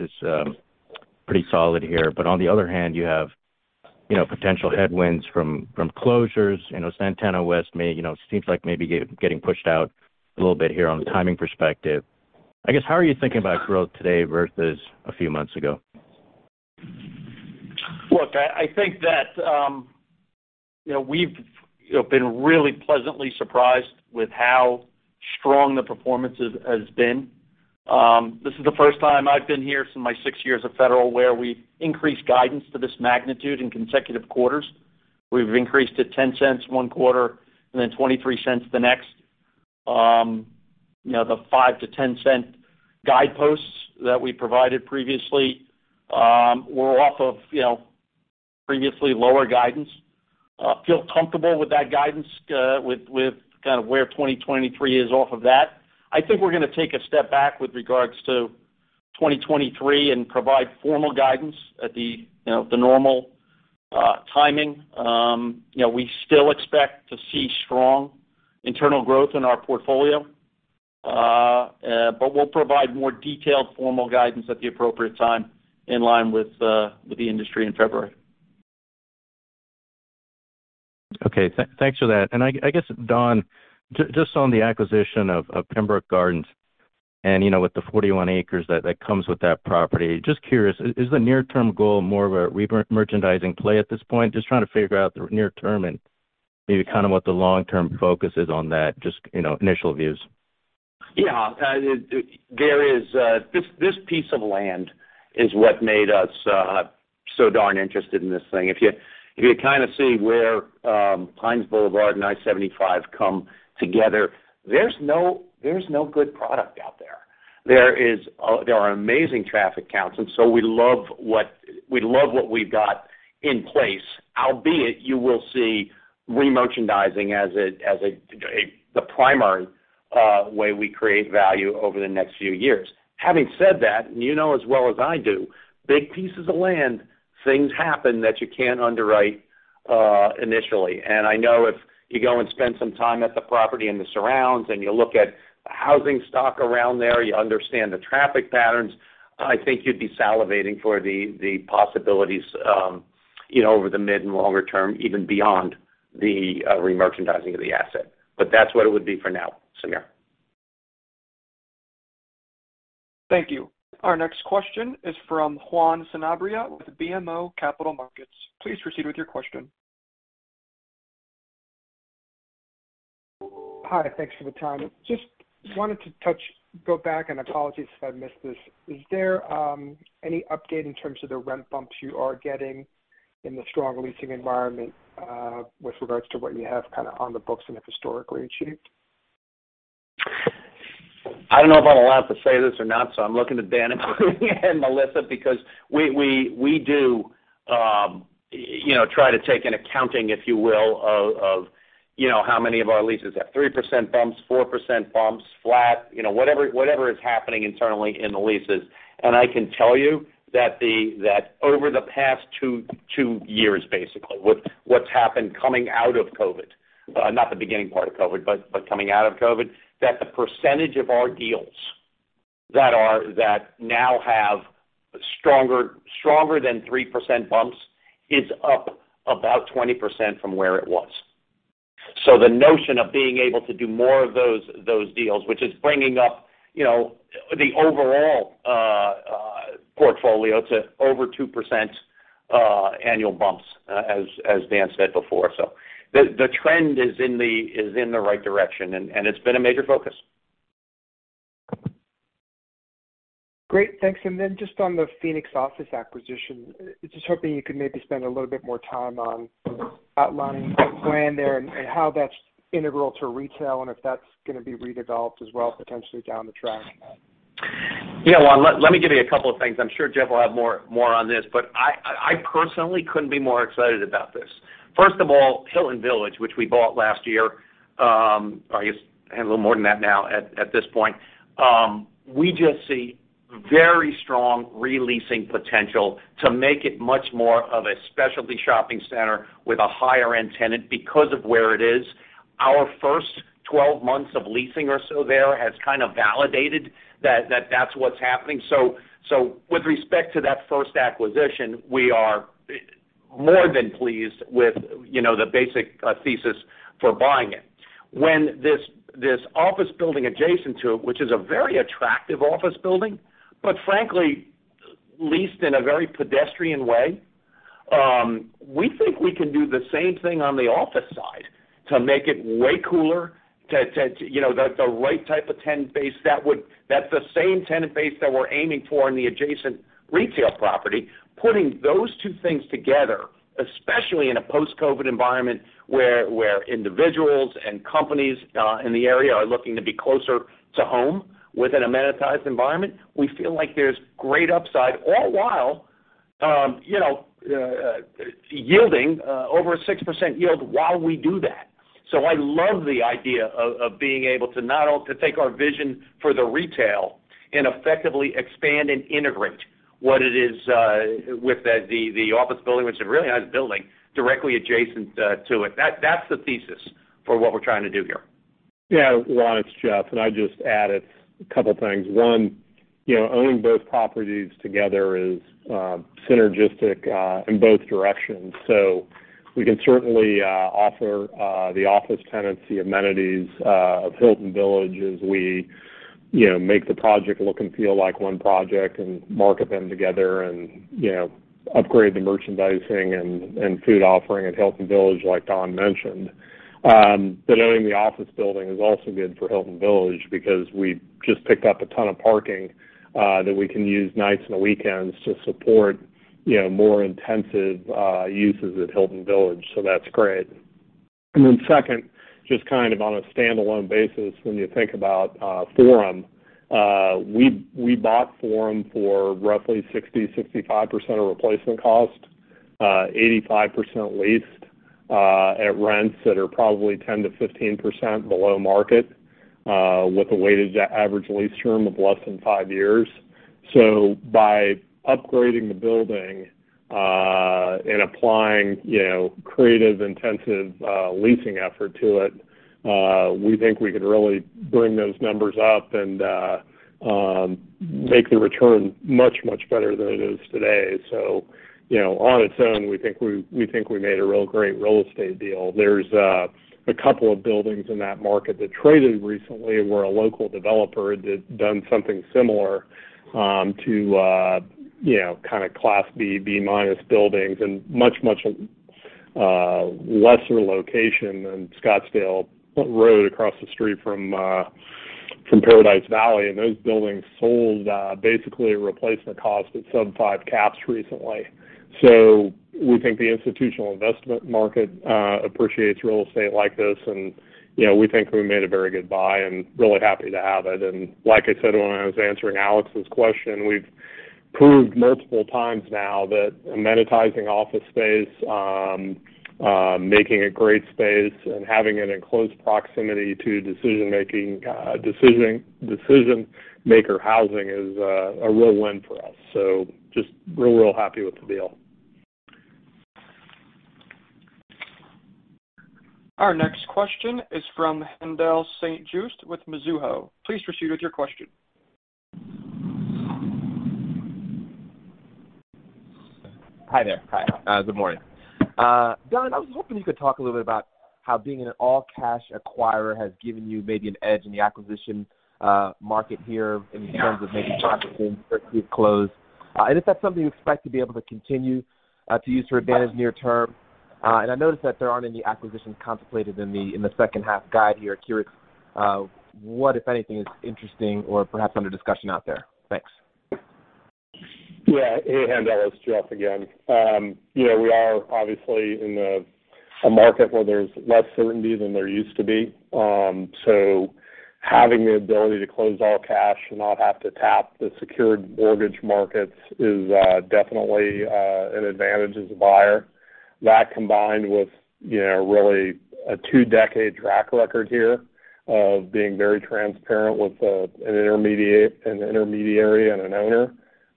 J: pretty solid here. But on the other hand, you have potential headwinds from closures. Santana West may seems like maybe getting pushed out a little bit here on the timing perspective. I guess, how are you thinking about growth today versus a few months ago?
D: Look, I think that, you know, we've, you know, been really pleasantly surprised with how strong the performance has been. This is the first time I've been here in my six years of Federal, where we increased guidance to this magnitude in consecutive quarters. We've increased it $0.10 one quarter and then $0.23 the next. You know, the $0.05-$0.10 guideposts that we provided previously were off of, you know, previously lower guidance. I feel comfortable with that guidance, with kind of where 2023 is off of that. I think we're gonna take a step back with regards to 2023 and provide formal guidance at the, you know, the normal timing. You know, we still expect to see strong internal growth in our portfolio. We'll provide more detailed formal guidance at the appropriate time in line with the industry in February.
J: Okay. Thanks for that. I guess, Don, just on the acquisition of Pembroke Gardens, you know, with the 41 acres that comes with that property. Just curious, is the near-term goal more of a re-merchandising play at this point? Just trying to figure out the near term and maybe kind of what the long-term focus is on that, just, you know, initial views.
C: Yeah. There is this piece of land is what made us so darn interested in this thing. If you kind of see where Pines Boulevard and I-75 come together, there's no good product out there. There are amazing traffic counts, and so we love what we've got in place. Albeit, you will see remerchandising as the primary way we create value over the next few years. Having said that, and you know as well as I do, big pieces of land, things happen that you can't underwrite initially. I know if you go and spend some time at the property and the surrounds and you look at the housing stock around there, you understand the traffic patterns, I think you'd be salivating for the possibilities, you know, over the mid and longer term, even beyond the remerchandising of the asset. That's what it would be for now, Samir.
A: Thank you. Our next question is from Juan Sanabria with BMO Capital Markets. Please proceed with your question.
K: Hi. Thanks for the time. Just wanted to go back, and apologies if I missed this. Is there any update in terms of the rent bumps you are getting in the strong leasing environment, with regards to what you have kind of on the books and have historically achieved?
C: I don't know if I'm allowed to say this or not, so I'm looking to Dan and Melissa because we do you know try to take an accounting, if you will, of you know how many of our leases have 3% bumps, 4% bumps, flat, you know, whatever is happening internally in the leases. I can tell you that over the past two years, basically, with what's happened coming out of COVID, not the beginning part of COVID, but coming out of COVID. The percentage of our deals that now have stronger than 3% bumps is up about 20% from where it was. The notion of being able to do more of those deals, which is bringing up you know the overall portfolio to over 2%, annual bumps, as Dan said before. The trend is in the right direction, and it's been a major focus.
K: Great. Thanks. Just on the Phoenix office acquisition, just hoping you could maybe spend a little bit more time on outlining the plan there and how that's integral to retail and if that's gonna be redeveloped as well potentially down the track.
C: Yeah. Well, let me give you a couple of things. I'm sure Jeff will have more on this, but I personally couldn't be more excited about this. First of all, Hilton Village, which we bought last year, I guess a little more than that now at this point. We just see very strong re-leasing potential to make it much more of a specialty shopping center with a higher end tenant because of where it is. Our first 12 months of leasing or so there has kind of validated that that's what's happening. So with respect to that first acquisition, we are more than pleased with, you know, the basic thesis for buying it. When this office building adjacent to it, which is a very attractive office building but frankly leased in a very pedestrian way, we think we can do the same thing on the office side to make it way cooler to you know the right type of tenant base. That's the same tenant base that we're aiming for in the adjacent retail property. Putting those two things together, especially in a post-COVID environment where individuals and companies in the area are looking to be closer to home with an amenitized environment, we feel like there's great upside all while you know yielding over 6% yield while we do that. I love the idea of being able to not only to take our vision for the retail and effectively expand and integrate what it is with the office building, which is a really nice building, directly adjacent to it. That's the thesis for what we're trying to do here.
F: Yeah. Juan, it's Jeff, and I'd just add a couple things. One, you know, owning both properties together is synergistic in both directions. We can certainly offer the office tenancy amenities of Hilton Village as we, you know, make the project look and feel like one project and market them together and, you know, upgrade the merchandising and food offering at Hilton Village like Don mentioned. Owning the office building is also good for Hilton Village because we just picked up a ton of parking that we can use nights and weekends to support, you know, more intensive uses at Hilton Village, so that's great. Then second, just kind of on a standalone basis when you think about Forum, we bought Forum for roughly 60%-65% of replacement cost, 85% leased, at rents that are probably 10%-15% below market, with a weighted average lease term of less than five years. By upgrading the building and applying, you know, creative, intensive leasing effort to it, we think we could really bring those numbers up and make the return much better than it is today. You know, on its own, we think we made a real great real estate deal. There's a couple of buildings in that market that traded recently where a local developer had done something similar, you know, kind of Class B, Class B-minus buildings and much lesser location than Scottsdale Road across the street from Paradise Valley. Those buildings sold basically a replacement cost at sub-5% cap rates recently. We think the institutional investment market appreciates real estate like this and, you know, we think we made a very good buy and really happy to have it. Like I said when I was answering Alex's question, we've proved multiple times now that amenitizing office space, making a great space and having it in close proximity to decision-maker housing is a real win for us. Just real happy with the deal.
A: Our next question is from Haendel St. Juste with Mizuho. Please proceed with your question.
L: Hi there. Good morning. Don, I was hoping you could talk a little bit about how being an all-cash acquirer has given you maybe an edge in the acquisition market here in terms of maybe pricing or speed of close. If that's something you expect to be able to continue to use to your advantage near term. I noticed that there aren't any acquisitions contemplated in the second half guide here. Curious what if anything is interesting or perhaps under discussion out there. Thanks.
F: Yeah. Hey, Haendel. It's Jeff again. You know, we are obviously in a market where there's less certainty than there used to be. Having the ability to close all cash and not have to tap the secured mortgage markets is definitely an advantage as a buyer. That combined with, you know, really a two-decade track record here of being very transparent with an intermediary and an owner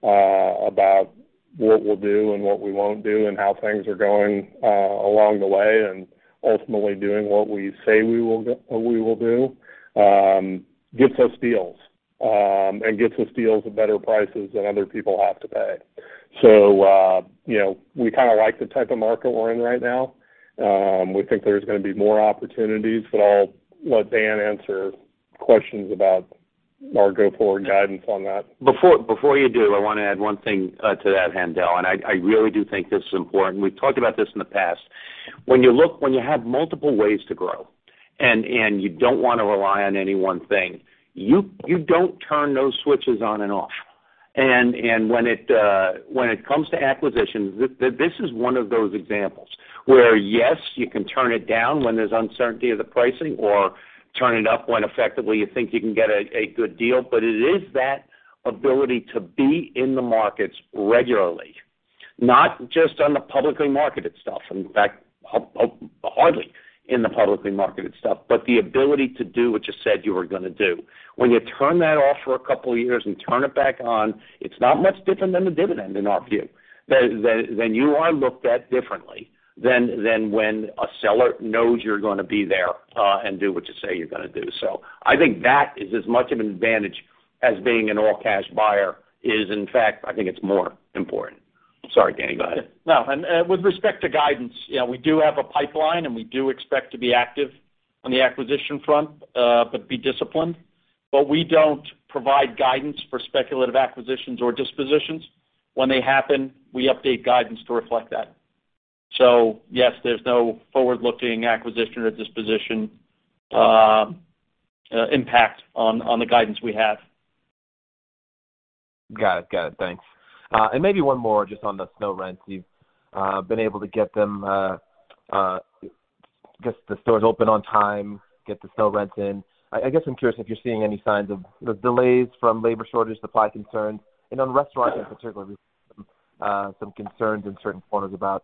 F: about what we'll do and what we won't do and how things are going along the way, and ultimately doing what we say we will do gets us deals at better prices than other people have to pay. You know, we kind of like the type of market we're in right now. We think there's gonna be more opportunities, but I'll let Dan answer questions about our go-forward guidance on that.
C: Before you do, I wanna add one thing to that, Haendel, and I really do think this is important. We've talked about this in the past. When you have multiple ways to grow and you don't wanna rely on any one thing, you don't turn those switches on and off. When it comes to acquisitions, this is one of those examples where, yes, you can turn it down when there's uncertainty of the pricing or turn it up when effectively you think you can get a good deal. It is that ability to be in the markets regularly, not just on the publicly marketed stuff, in fact, hardly in the publicly marketed stuff, but the ability to do what you said you were gonna do. When you turn that off for a couple years and turn it back on, it's not much different than a dividend in our view. You are looked at differently than when a seller knows you're gonna be there, and do what you say you're gonna do. I think that is as much of an advantage as being an all-cash buyer is. In fact, I think it's more important. Sorry, Dan, go ahead.
D: No. With respect to guidance, you know, we do have a pipeline, and we do expect to be active on the acquisition front, but be disciplined. We don't provide guidance for speculative acquisitions or dispositions. When they happen, we update guidance to reflect that. Yes, there's no forward-looking acquisition or disposition impact on the guidance we have.
L: Got it. Thanks. Maybe one more just on the SNO rents. You've been able to get them, get the stores open on time, get the SNO rents in. I guess I'm curious if you're seeing any signs of the delays from labor shortage, supply concerns. On restaurants in particular, we've seen some concerns in certain quarters about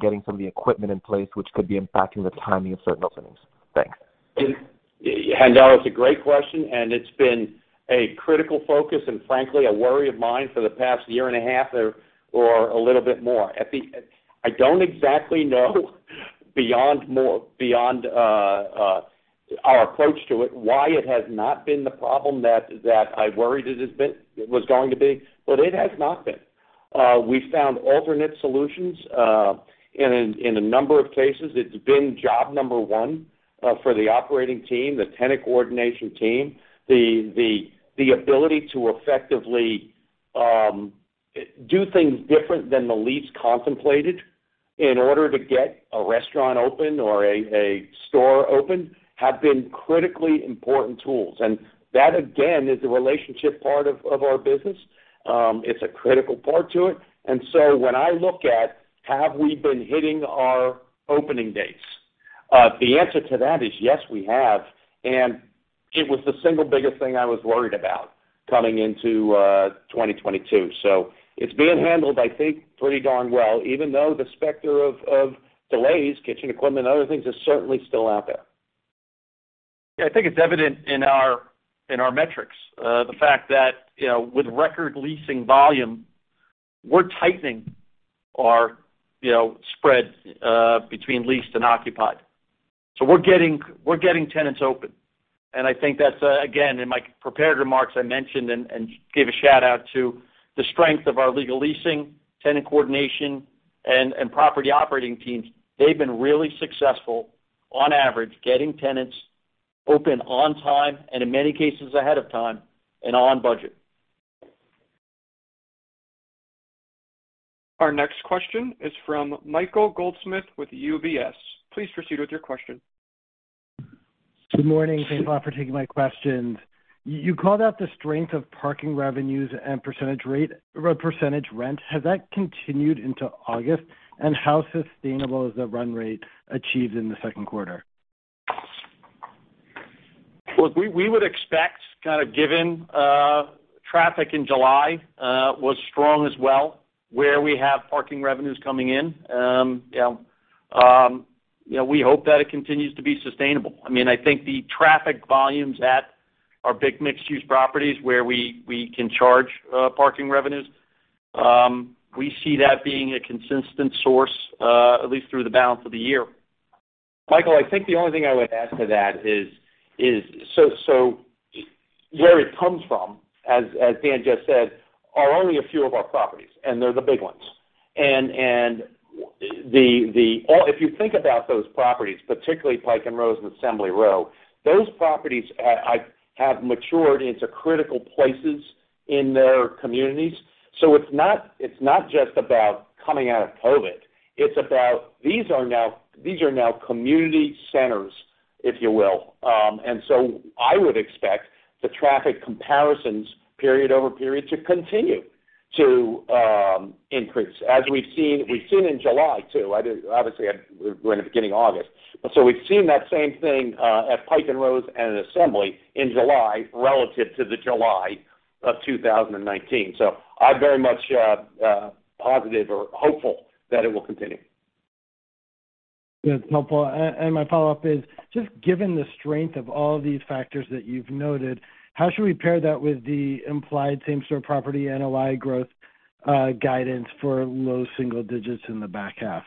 L: getting some of the equipment in place, which could be impacting the timing of certain openings. Thanks.
C: Haendel, it's a great question, and it's been a critical focus and frankly, a worry of mine for the past year and a half or a little bit more. I don't exactly know beyond our approach to it, why it has not been the problem that I worried it has been, it was going to be, but it has not been. We found alternate solutions in a number of cases. It's been job number one for the operating team, the tenant coordination team. The ability to effectively do things different than the lease contemplated in order to get a restaurant open or a store open have been critically important tools. That, again, is the relationship part of our business. It's a critical part to it. When I look at have we been hitting our opening dates, the answer to that is yes, we have. It was the single biggest thing I was worried about coming into 2022. It's being handled, I think, pretty darn well, even though the specter of delays, kitchen equipment, and other things is certainly still out there.
D: I think it's evident in our metrics, the fact that, you know, with record leasing volume, we're tightening our, you know, spread between leased and occupied. We're getting tenants open. I think that's, again, in my prepared remarks, I mentioned and gave a shout-out to the strength of our legal leasing, tenant coordination, and property operating teams. They've been really successful on average, getting tenants open on time and in many cases ahead of time and on budget.
A: Our next question is from Michael Goldsmith with UBS. Please proceed with your question.
M: Good morning. Thanks a lot for taking my questions. You called out the strength of parking revenues and percentage rate, or percentage rent. Has that continued into August? How sustainable is the run rate achieved in the second quarter?
D: Look, we would expect kind of given traffic in July was strong as well, where we have parking revenues coming in. You know, we hope that it continues to be sustainable. I mean, I think the traffic volumes at our big mixed-use properties where we can charge parking revenues, we see that being a consistent source at least through the balance of the year.
C: Michael, I think the only thing I would add to that is so where it comes from, as Dan just said, are only a few of our properties, and they're the big ones. If you think about those properties, particularly Pike & Rose and Assembly Row, those properties have matured into critical places in their communities. It's not just about coming out of COVID, it's about these are now community centers, if you will. I would expect the traffic comparisons period-over-period to continue to increase as we've seen. We've seen in July too. Obviously, we're in the beginning of August. We've seen that same thing at Pike & Rose and at Assembly in July relative to the July of 2019. I'm very much positive or hopeful that it will continue.
M: That's helpful. My follow-up is just given the strength of all these factors that you've noted, how should we pair that with the implied same-store property NOI growth guidance for low single digits in the back half?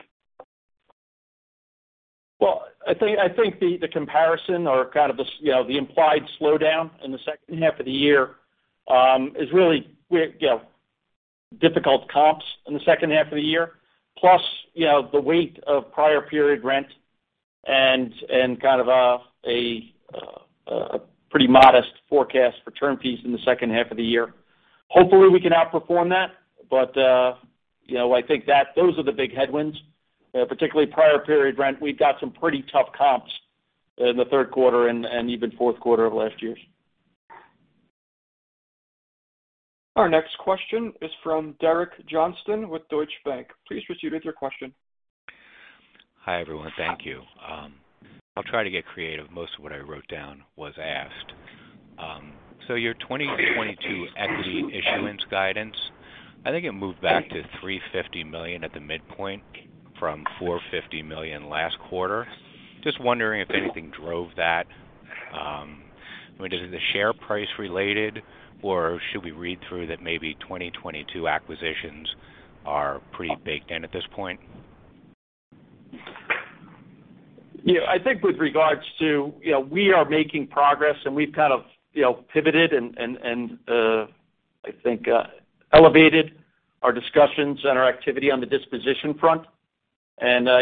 D: Well, I think the comparison or kind of the implied slowdown in the second half of the year is really difficult comps in the second half of the year, plus the weight of prior period rent and kind of a pretty modest forecast for term fees in the second half of the year. Hopefully, we can outperform that. I think that those are the big headwinds, particularly prior period rent. We've got some pretty tough comps in the third quarter and even fourth quarter of last year.
A: Our next question is from Derek Johnston with Deutsche Bank. Please proceed with your question.
N: Hi, everyone. Thank you. I'll try to get creative. Most of what I wrote down was asked. Your 2022 equity issuance guidance, I think it moved back to $350 million at the midpoint from $450 million last quarter. Just wondering if anything drove that. I mean, is it the share price related, or should we read through that maybe 2022 acquisitions are pretty baked in at this point?
D: Yeah. I think with regard to, you know, we are making progress, and we've kind of, you know, pivoted and I think elevated our discussions and our activity on the disposition front.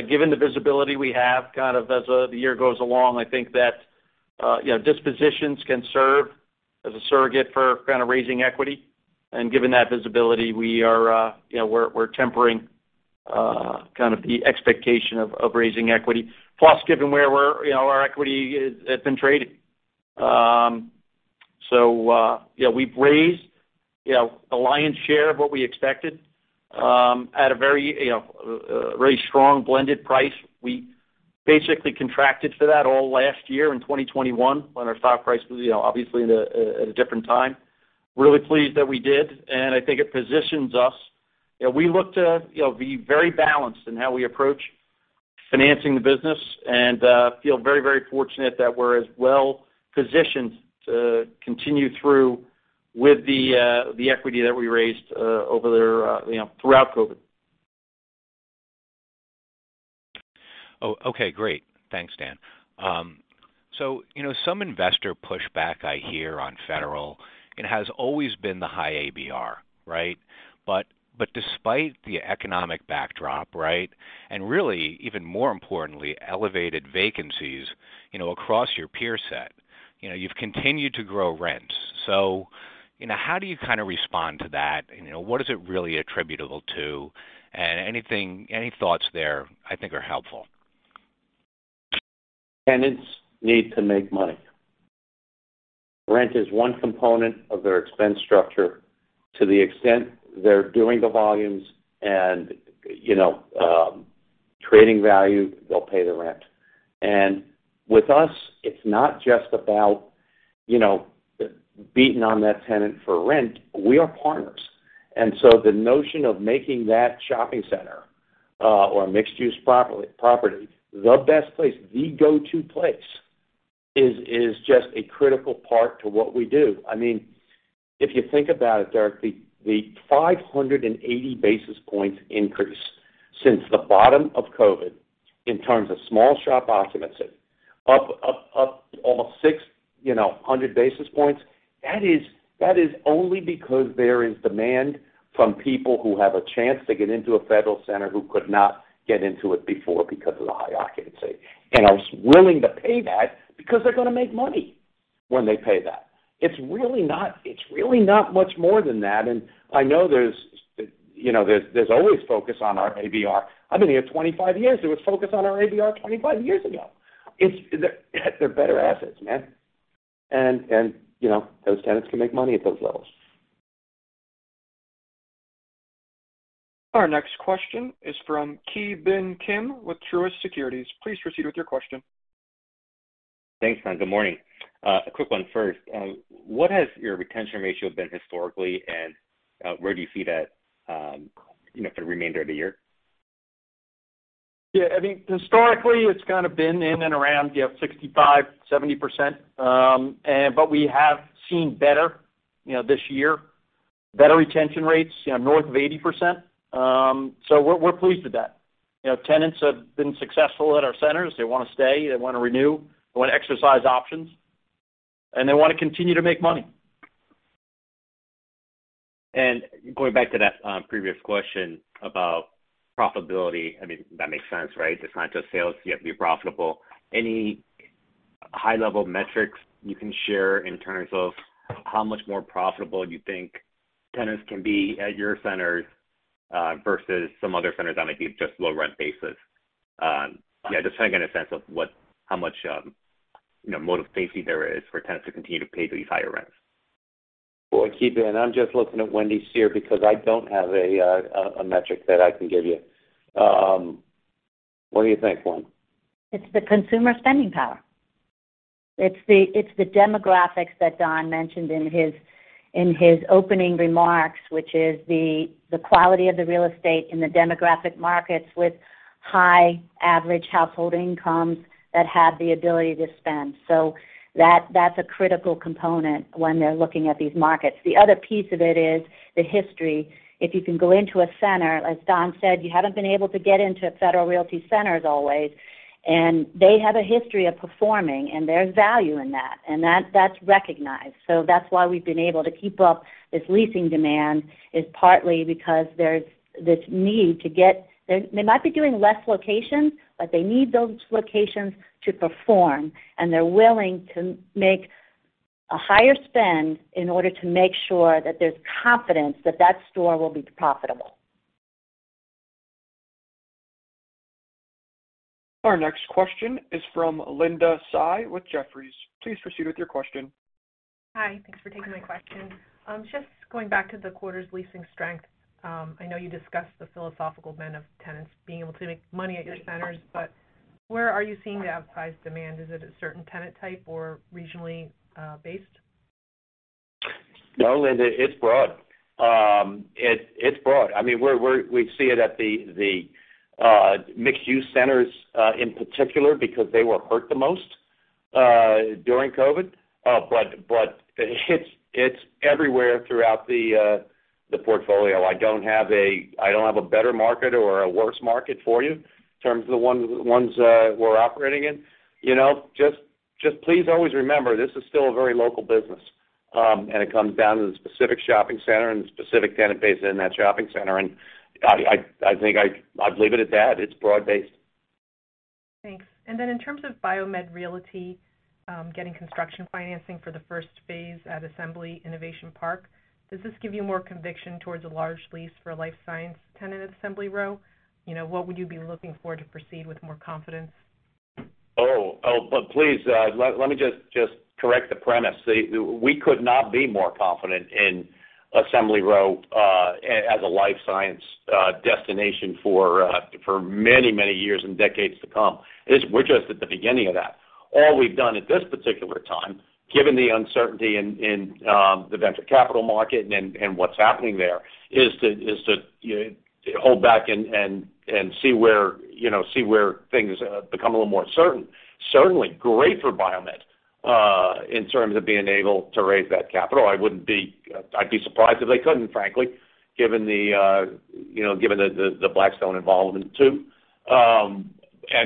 D: Given the visibility we have kind of as the year goes along, I think that, you know, dispositions can serve as a surrogate for kind of raising equity. Given that visibility, we are, you know, we're tempering kind of the expectation of raising equity. Plus, given where we're, you know, our equity has been trading. You know, we've raised, you know, the lion's share of what we expected, at a very, you know, very strong blended price. We basically contracted for that all last year in 2021 when our stock price was, you know, obviously at a different time. Really pleased that we did, and I think it positions us. You know, we look to, you know, be very balanced in how we approach financing the business and feel very fortunate that we're as well-positioned to continue through with the equity that we raised over there, you know, throughout COVID.
N: Oh, okay. Great. Thanks, Dan. So, you know, some investor pushback I hear on Federal, it has always been the high ABR, right? But despite the economic backdrop, right, and really, even more importantly, elevated vacancies, you know, across your peer set, you know, you've continued to grow rent. You know, how do you kind of respond to that? You know, what is it really attributable to? Anything, any thoughts there, I think are helpful.
C: Tenants need to make money. Rent is one component of their expense structure. To the extent they're doing the volumes and, you know, trading value, they'll pay the rent. With us, it's not just about, you know, beating on that tenant for rent. We are partners. The notion of making that shopping center or mixed-use property the best place, the go-to place is just a critical part to what we do. I mean, if you think about it, Derek, the 580 basis points increase since the bottom of COVID in terms of small shop occupancy, up almost 600 basis points. That is only because there is demand from people who have a chance to get into a Federal center who could not get into it before because of the high occupancy, and are willing to pay that because they're gonna make money when they pay that. It's really not much more than that. I know there's, you know, always focus on our ABR. I've been here 25 years. There was focus on our ABR 25 years ago. They're better assets, man. You know, those tenants can make money at those levels.
A: Our next question is from Ki Bin Kim with Truist Securities. Please proceed with your question.
O: Thanks, man. Good morning. A quick one first. What has your retention ratio been historically, and where do you see that, you know, for the remainder of the year?
D: Yeah, I mean, historically, it's kind of been in and around, you know, 65%-70%. But we have seen better, you know, this year, better retention rates, you know, north of 80%. We're pleased with that. You know, tenants have been successful at our centers. They wanna stay, they wanna renew, they wanna exercise options, and they wanna continue to make money.
O: Going back to that previous question about profitability. I mean, that makes sense, right? It's not just sales, you have to be profitable. Any high-level metrics you can share in terms of how much more profitable you think tenants can be at your centers versus some other centers that might be just low rent basis? Yeah, just trying to get a sense of how much you know motivation there is for tenants to continue to pay these higher rents.
C: Well, Ki Bin, I'm just looking at Wendy because I don't have a metric that I can give you. What do you think, Wendy?
H: It's the consumer spending power. It's the demographics that Don mentioned in his opening remarks, which is the quality of the real estate in the demographic markets with high average household incomes that have the ability to spend. That's a critical component when they're looking at these markets. The other piece of it is the history. If you can go into a center, as Don said, you haven't been able to get into Federal Realty centers always, and they have a history of performing, and there's value in that, and that's recognized. That's why we've been able to keep up. This leasing demand is partly because there's this need to get. They might be doing less locations, but they need those locations to perform, and they're willing to make a higher spend in order to make sure that there's confidence that that store will be profitable.
A: Our next question is from Linda Tsai with Jefferies. Please proceed with your question.
P: Hi. Thanks for taking my question. Just going back to the quarter's leasing strength, I know you discussed the philosophical bend of tenants being able to make money at your centers, but where are you seeing the outsized demand? Is it a certain tenant type or regionally, based?
C: No, Linda, it's broad. I mean, we see it at the mixed-use centers in particular because they were hurt the most during COVID. But it's everywhere throughout the portfolio. I don't have a better market or a worse market for you in terms of the ones we're operating in. You know, just please always remember, this is still a very local business, and it comes down to the specific shopping center and the specific tenant base in that shopping center. I think I'd leave it at that. It's broad-based.
P: Thanks. Then in terms of BioMed Realty, getting construction financing for the first phase at Assembly Innovation Park, does this give you more conviction towards a large lease for a life science tenant at Assembly Row? You know, what would you be looking for to proceed with more confidence?
C: Please let me just correct the premise. We could not be more confident in Assembly Row as a life science destination for many years and decades to come. We're just at the beginning of that. All we've done at this particular time, given the uncertainty in the venture capital market and what's happening there, is to, you know, hold back and, you know, see where things become a little more certain. Certainly great for BioMed in terms of being able to raise that capital. I'd be surprised if they couldn't, frankly, given the Blackstone involvement too. There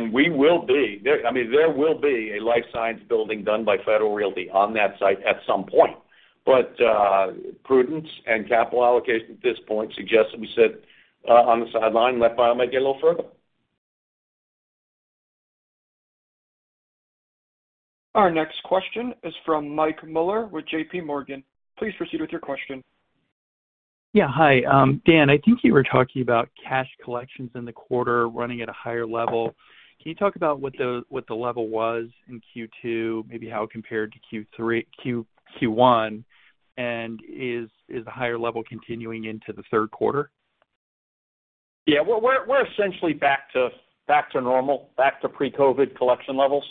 C: will be a life science building done by Federal Realty on that site at some point. Prudence and capital allocation at this point suggests that we sit on the sideline and let BioMed Realty get a little further.
A: Our next question is from Mike Mueller with J.P. Morgan. Please proceed with your question.
Q: Yeah. Hi. Dan, I think you were talking about cash collections in the quarter running at a higher level. Can you talk about what the level was in Q2, maybe how it compared to Q1, and is the higher level continuing into the third quarter?
D: Yeah. We're essentially back to normal, back to pre-COVID collection levels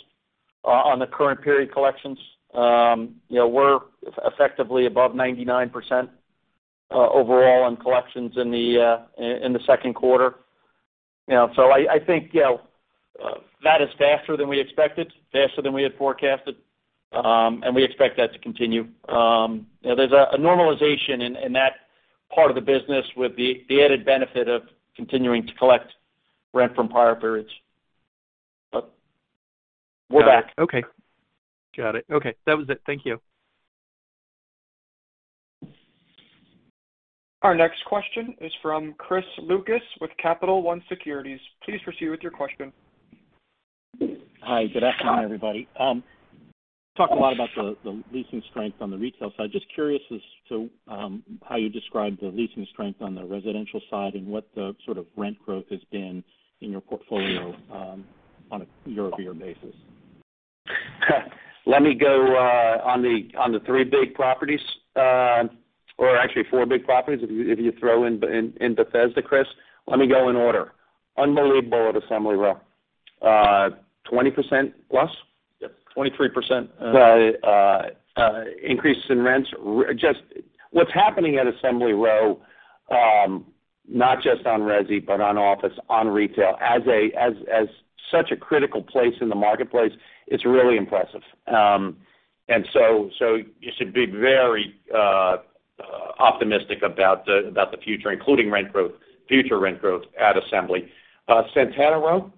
D: on the current period collections. You know, we're effectively above 99% overall on collections in the second quarter. You know, so I think that is faster than we expected, faster than we had forecasted, and we expect that to continue. You know, there's a normalization in that part of the business with the added benefit of continuing to collect rent from prior periods. But, we're back.
Q: Okay. Got it. That was it, thank you.
A: Our next question is from Chris Lucas with Capital One Securities. Please proceed with your question.
R: Hi. Good afternoon, everybody. Talked a lot about the leasing strength on the retail side. Just curious as to how you describe the leasing strength on the residential side and what the sort of rent growth has been in your portfolio on a year-over-year basis?
C: Let me go on the three big properties, or actually four big properties if you throw in Bethesda, Chris. Let me go in order. Unbelievable at Assembly Row. 20%+?
D: Yep. 23%.
C: 23% Increases in rents. Just what's happening at Assembly Row, not just on resi, but on office, on retail, as such a critical place in the marketplace, it's really impressive. You should be very optimistic about the future, including rent growth, future rent growth at Assembly. Santana Row,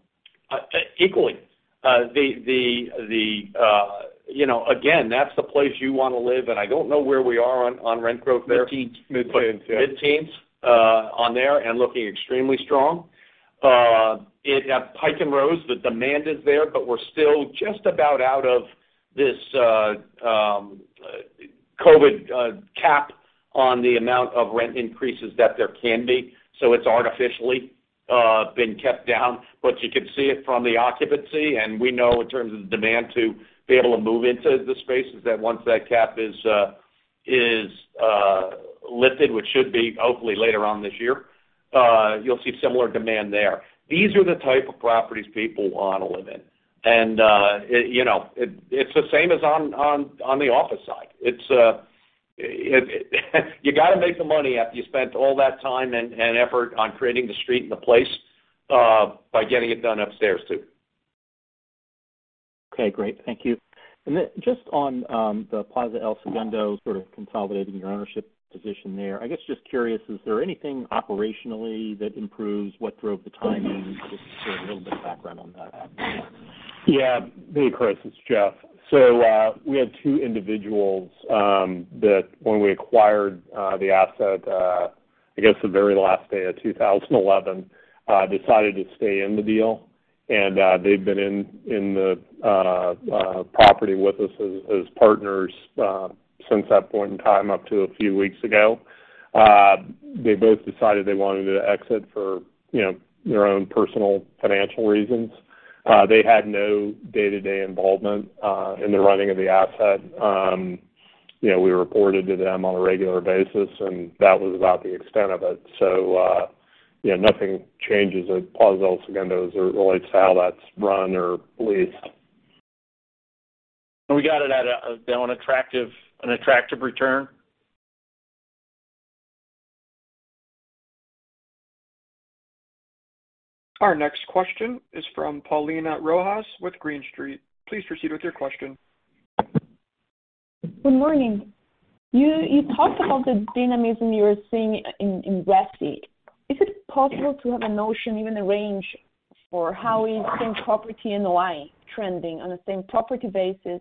C: equally. You know, again, that's the place you wanna live, and I don't know where we are on rent growth there.
D: Mid-teens.
C: Mid-teens on there and looking extremely strong. At Pike & Rose, the demand is there, but we're still just about out of this COVID cap on the amount of rent increases that there can be. It's artificially been kept down. You can see it from the occupancy, and we know in terms of the demand to be able to move into the spaces that once that cap is lifted, which should be hopefully later on this year, you'll see similar demand there. These are the type of properties people wanna live in. It's the same as on the office side. You gotta make the money after you spent all that time and effort on creating the street and the place by getting it done upstairs too.
R: Okay, great. Thank you. Just on the Plaza El Segundo, sort of consolidating your ownership position there. I guess just curious, is there anything operationally that improves what drove the timing? Just sort of a little bit of background on that.
F: Yeah. Hey, Chris. It's Jeff. We had two individuals that when we acquired the asset, I guess the very last day of 2011, decided to stay in the deal. They've been in the property with us as partners since that point in time up to a few weeks ago. They both decided they wanted to exit for, you know, their own personal financial reasons. They had no day-to-day involvement in the running of the asset. You know, we reported to them on a regular basis, and that was about the extent of it. Nothing changes at Plaza El Segundo as it relates to how that's run or leased. We got it at an attractive return.
A: Our next question is from Paulina Rojas with Green Street. Please proceed with your question.
S: Good morning. You talked about the dynamism you're seeing in resi. Is it possible to have a notion, even a range, for how is same-property NOI trending on a same-property basis,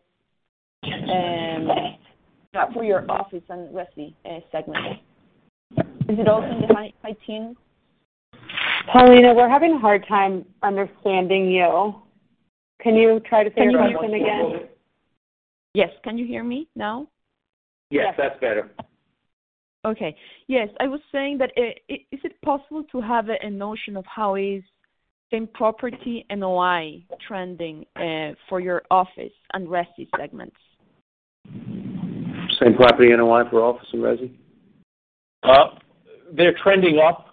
S: for your office and resi segment? Is it okay if I-
B: Paulina, we're having a hard time understanding you. Can you try to say your question again?
S: Yes. Can you hear me now?
C: Yes, that's better.
S: Okay. Yes. I was saying that is it possible to have a notion of how same-property NOI is trending for your office and resi segments?
C: Same property NOI for office and resi?
F: They're trending up.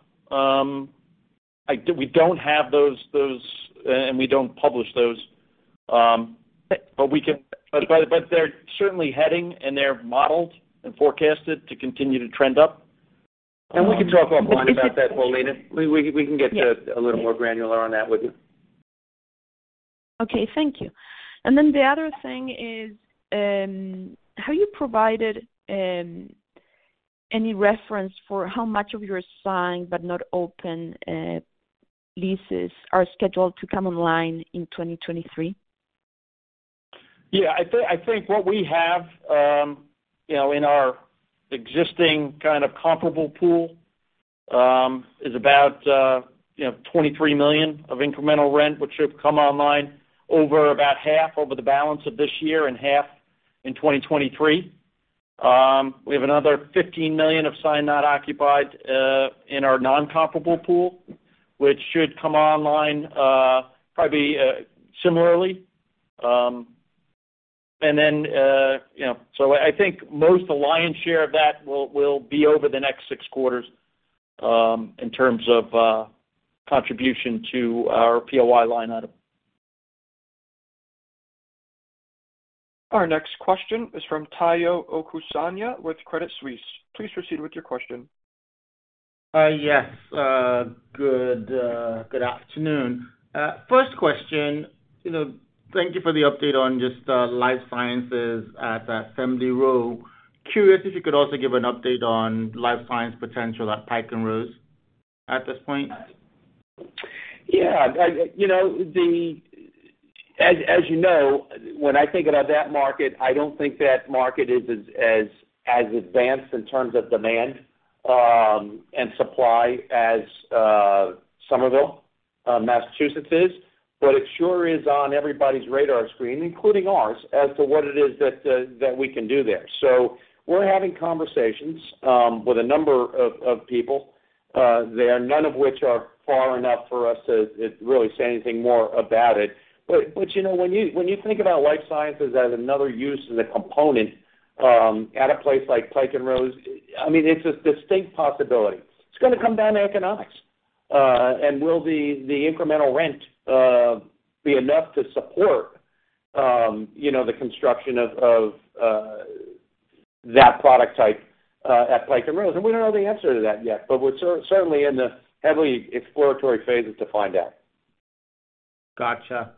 F: We don't have those. We don't publish those. They're certainly heading, and they're modeled and forecasted to continue to trend up. We can talk offline about that, Paulina. We can get a little more granular on that with you.
S: Okay, thank you. The other thing is, have you provided any reference for how much of your signed but not open leases are scheduled to come online in 2023?
D: Yeah. I think what we have, you know, in our existing kind of comparable pool, is about $23 million of incremental rent, which should come online over about half over the balance of this year and half in 2023. We have another $15 million of signed not occupied in our non-comparable pool, which should come online, probably, similarly. You know. I think the lion's share of that will be over the next six quarters, in terms of contribution to our POI line item.
A: Our next question is from Tayo Okusanya with Credit Suisse. Please proceed with your question.
T: Yes. Good afternoon. First question. You know, thank you for the update on just life sciences at Assembly Row. Curious if you could also give an update on life science potential at Pike & Rose at this point.
C: Yeah. As you know, when I think about that market, I don't think that market is as advanced in terms of demand and supply as Somerville, Massachusetts is, but it sure is on everybody's radar screen, including ours, as to what it is that we can do there. We're having conversations with a number of people there, none of which are far enough for us to really say anything more about it. You know, when you think about life sciences as another use and a component at a place like Pike & Rose, I mean, it's a distinct possibility. It's gonna come down to economics. Will the incremental rent be enough to support, you know, the construction of that product type at Pike & Rose? We don't know the answer to that yet, but we're certainly in the heavily exploratory phases to find out.
T: Gotcha.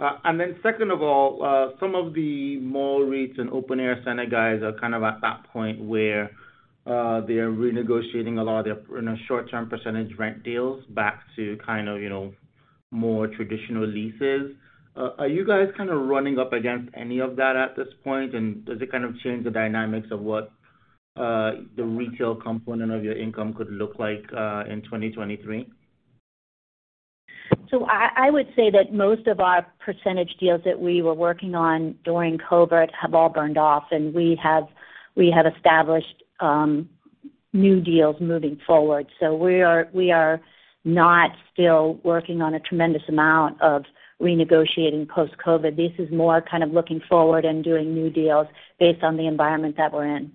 T: And then second of all, some of the mall REITs and open-air center guys are kind of at that point where, they're renegotiating a lot of their, you know, short-term percentage rent deals back to kind of, you know, more traditional leases. Are you guys kind of running up against any of that at this point? Does it kind of change the dynamics of what, the retail component of your income could look like, in 2023?
H: I would say that most of our percentage deals that we were working on during COVID have all burned off, and we have established new deals moving forward. We are not still working on a tremendous amount of renegotiating post-COVID. This is more kind of looking forward and doing new deals based on the environment that we're in.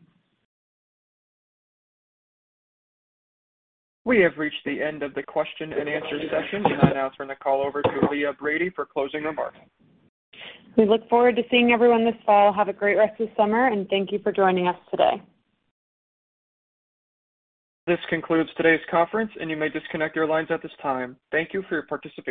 A: We have reached the end of the question-and-answer session. I now turn the call over to Leah Brady for closing remarks.
B: We look forward to seeing everyone this fall. Have a great rest of the summer, and thank you for joining us today.
A: This concludes today's conference, and you may disconnect your lines at this time. Thank you for your participation.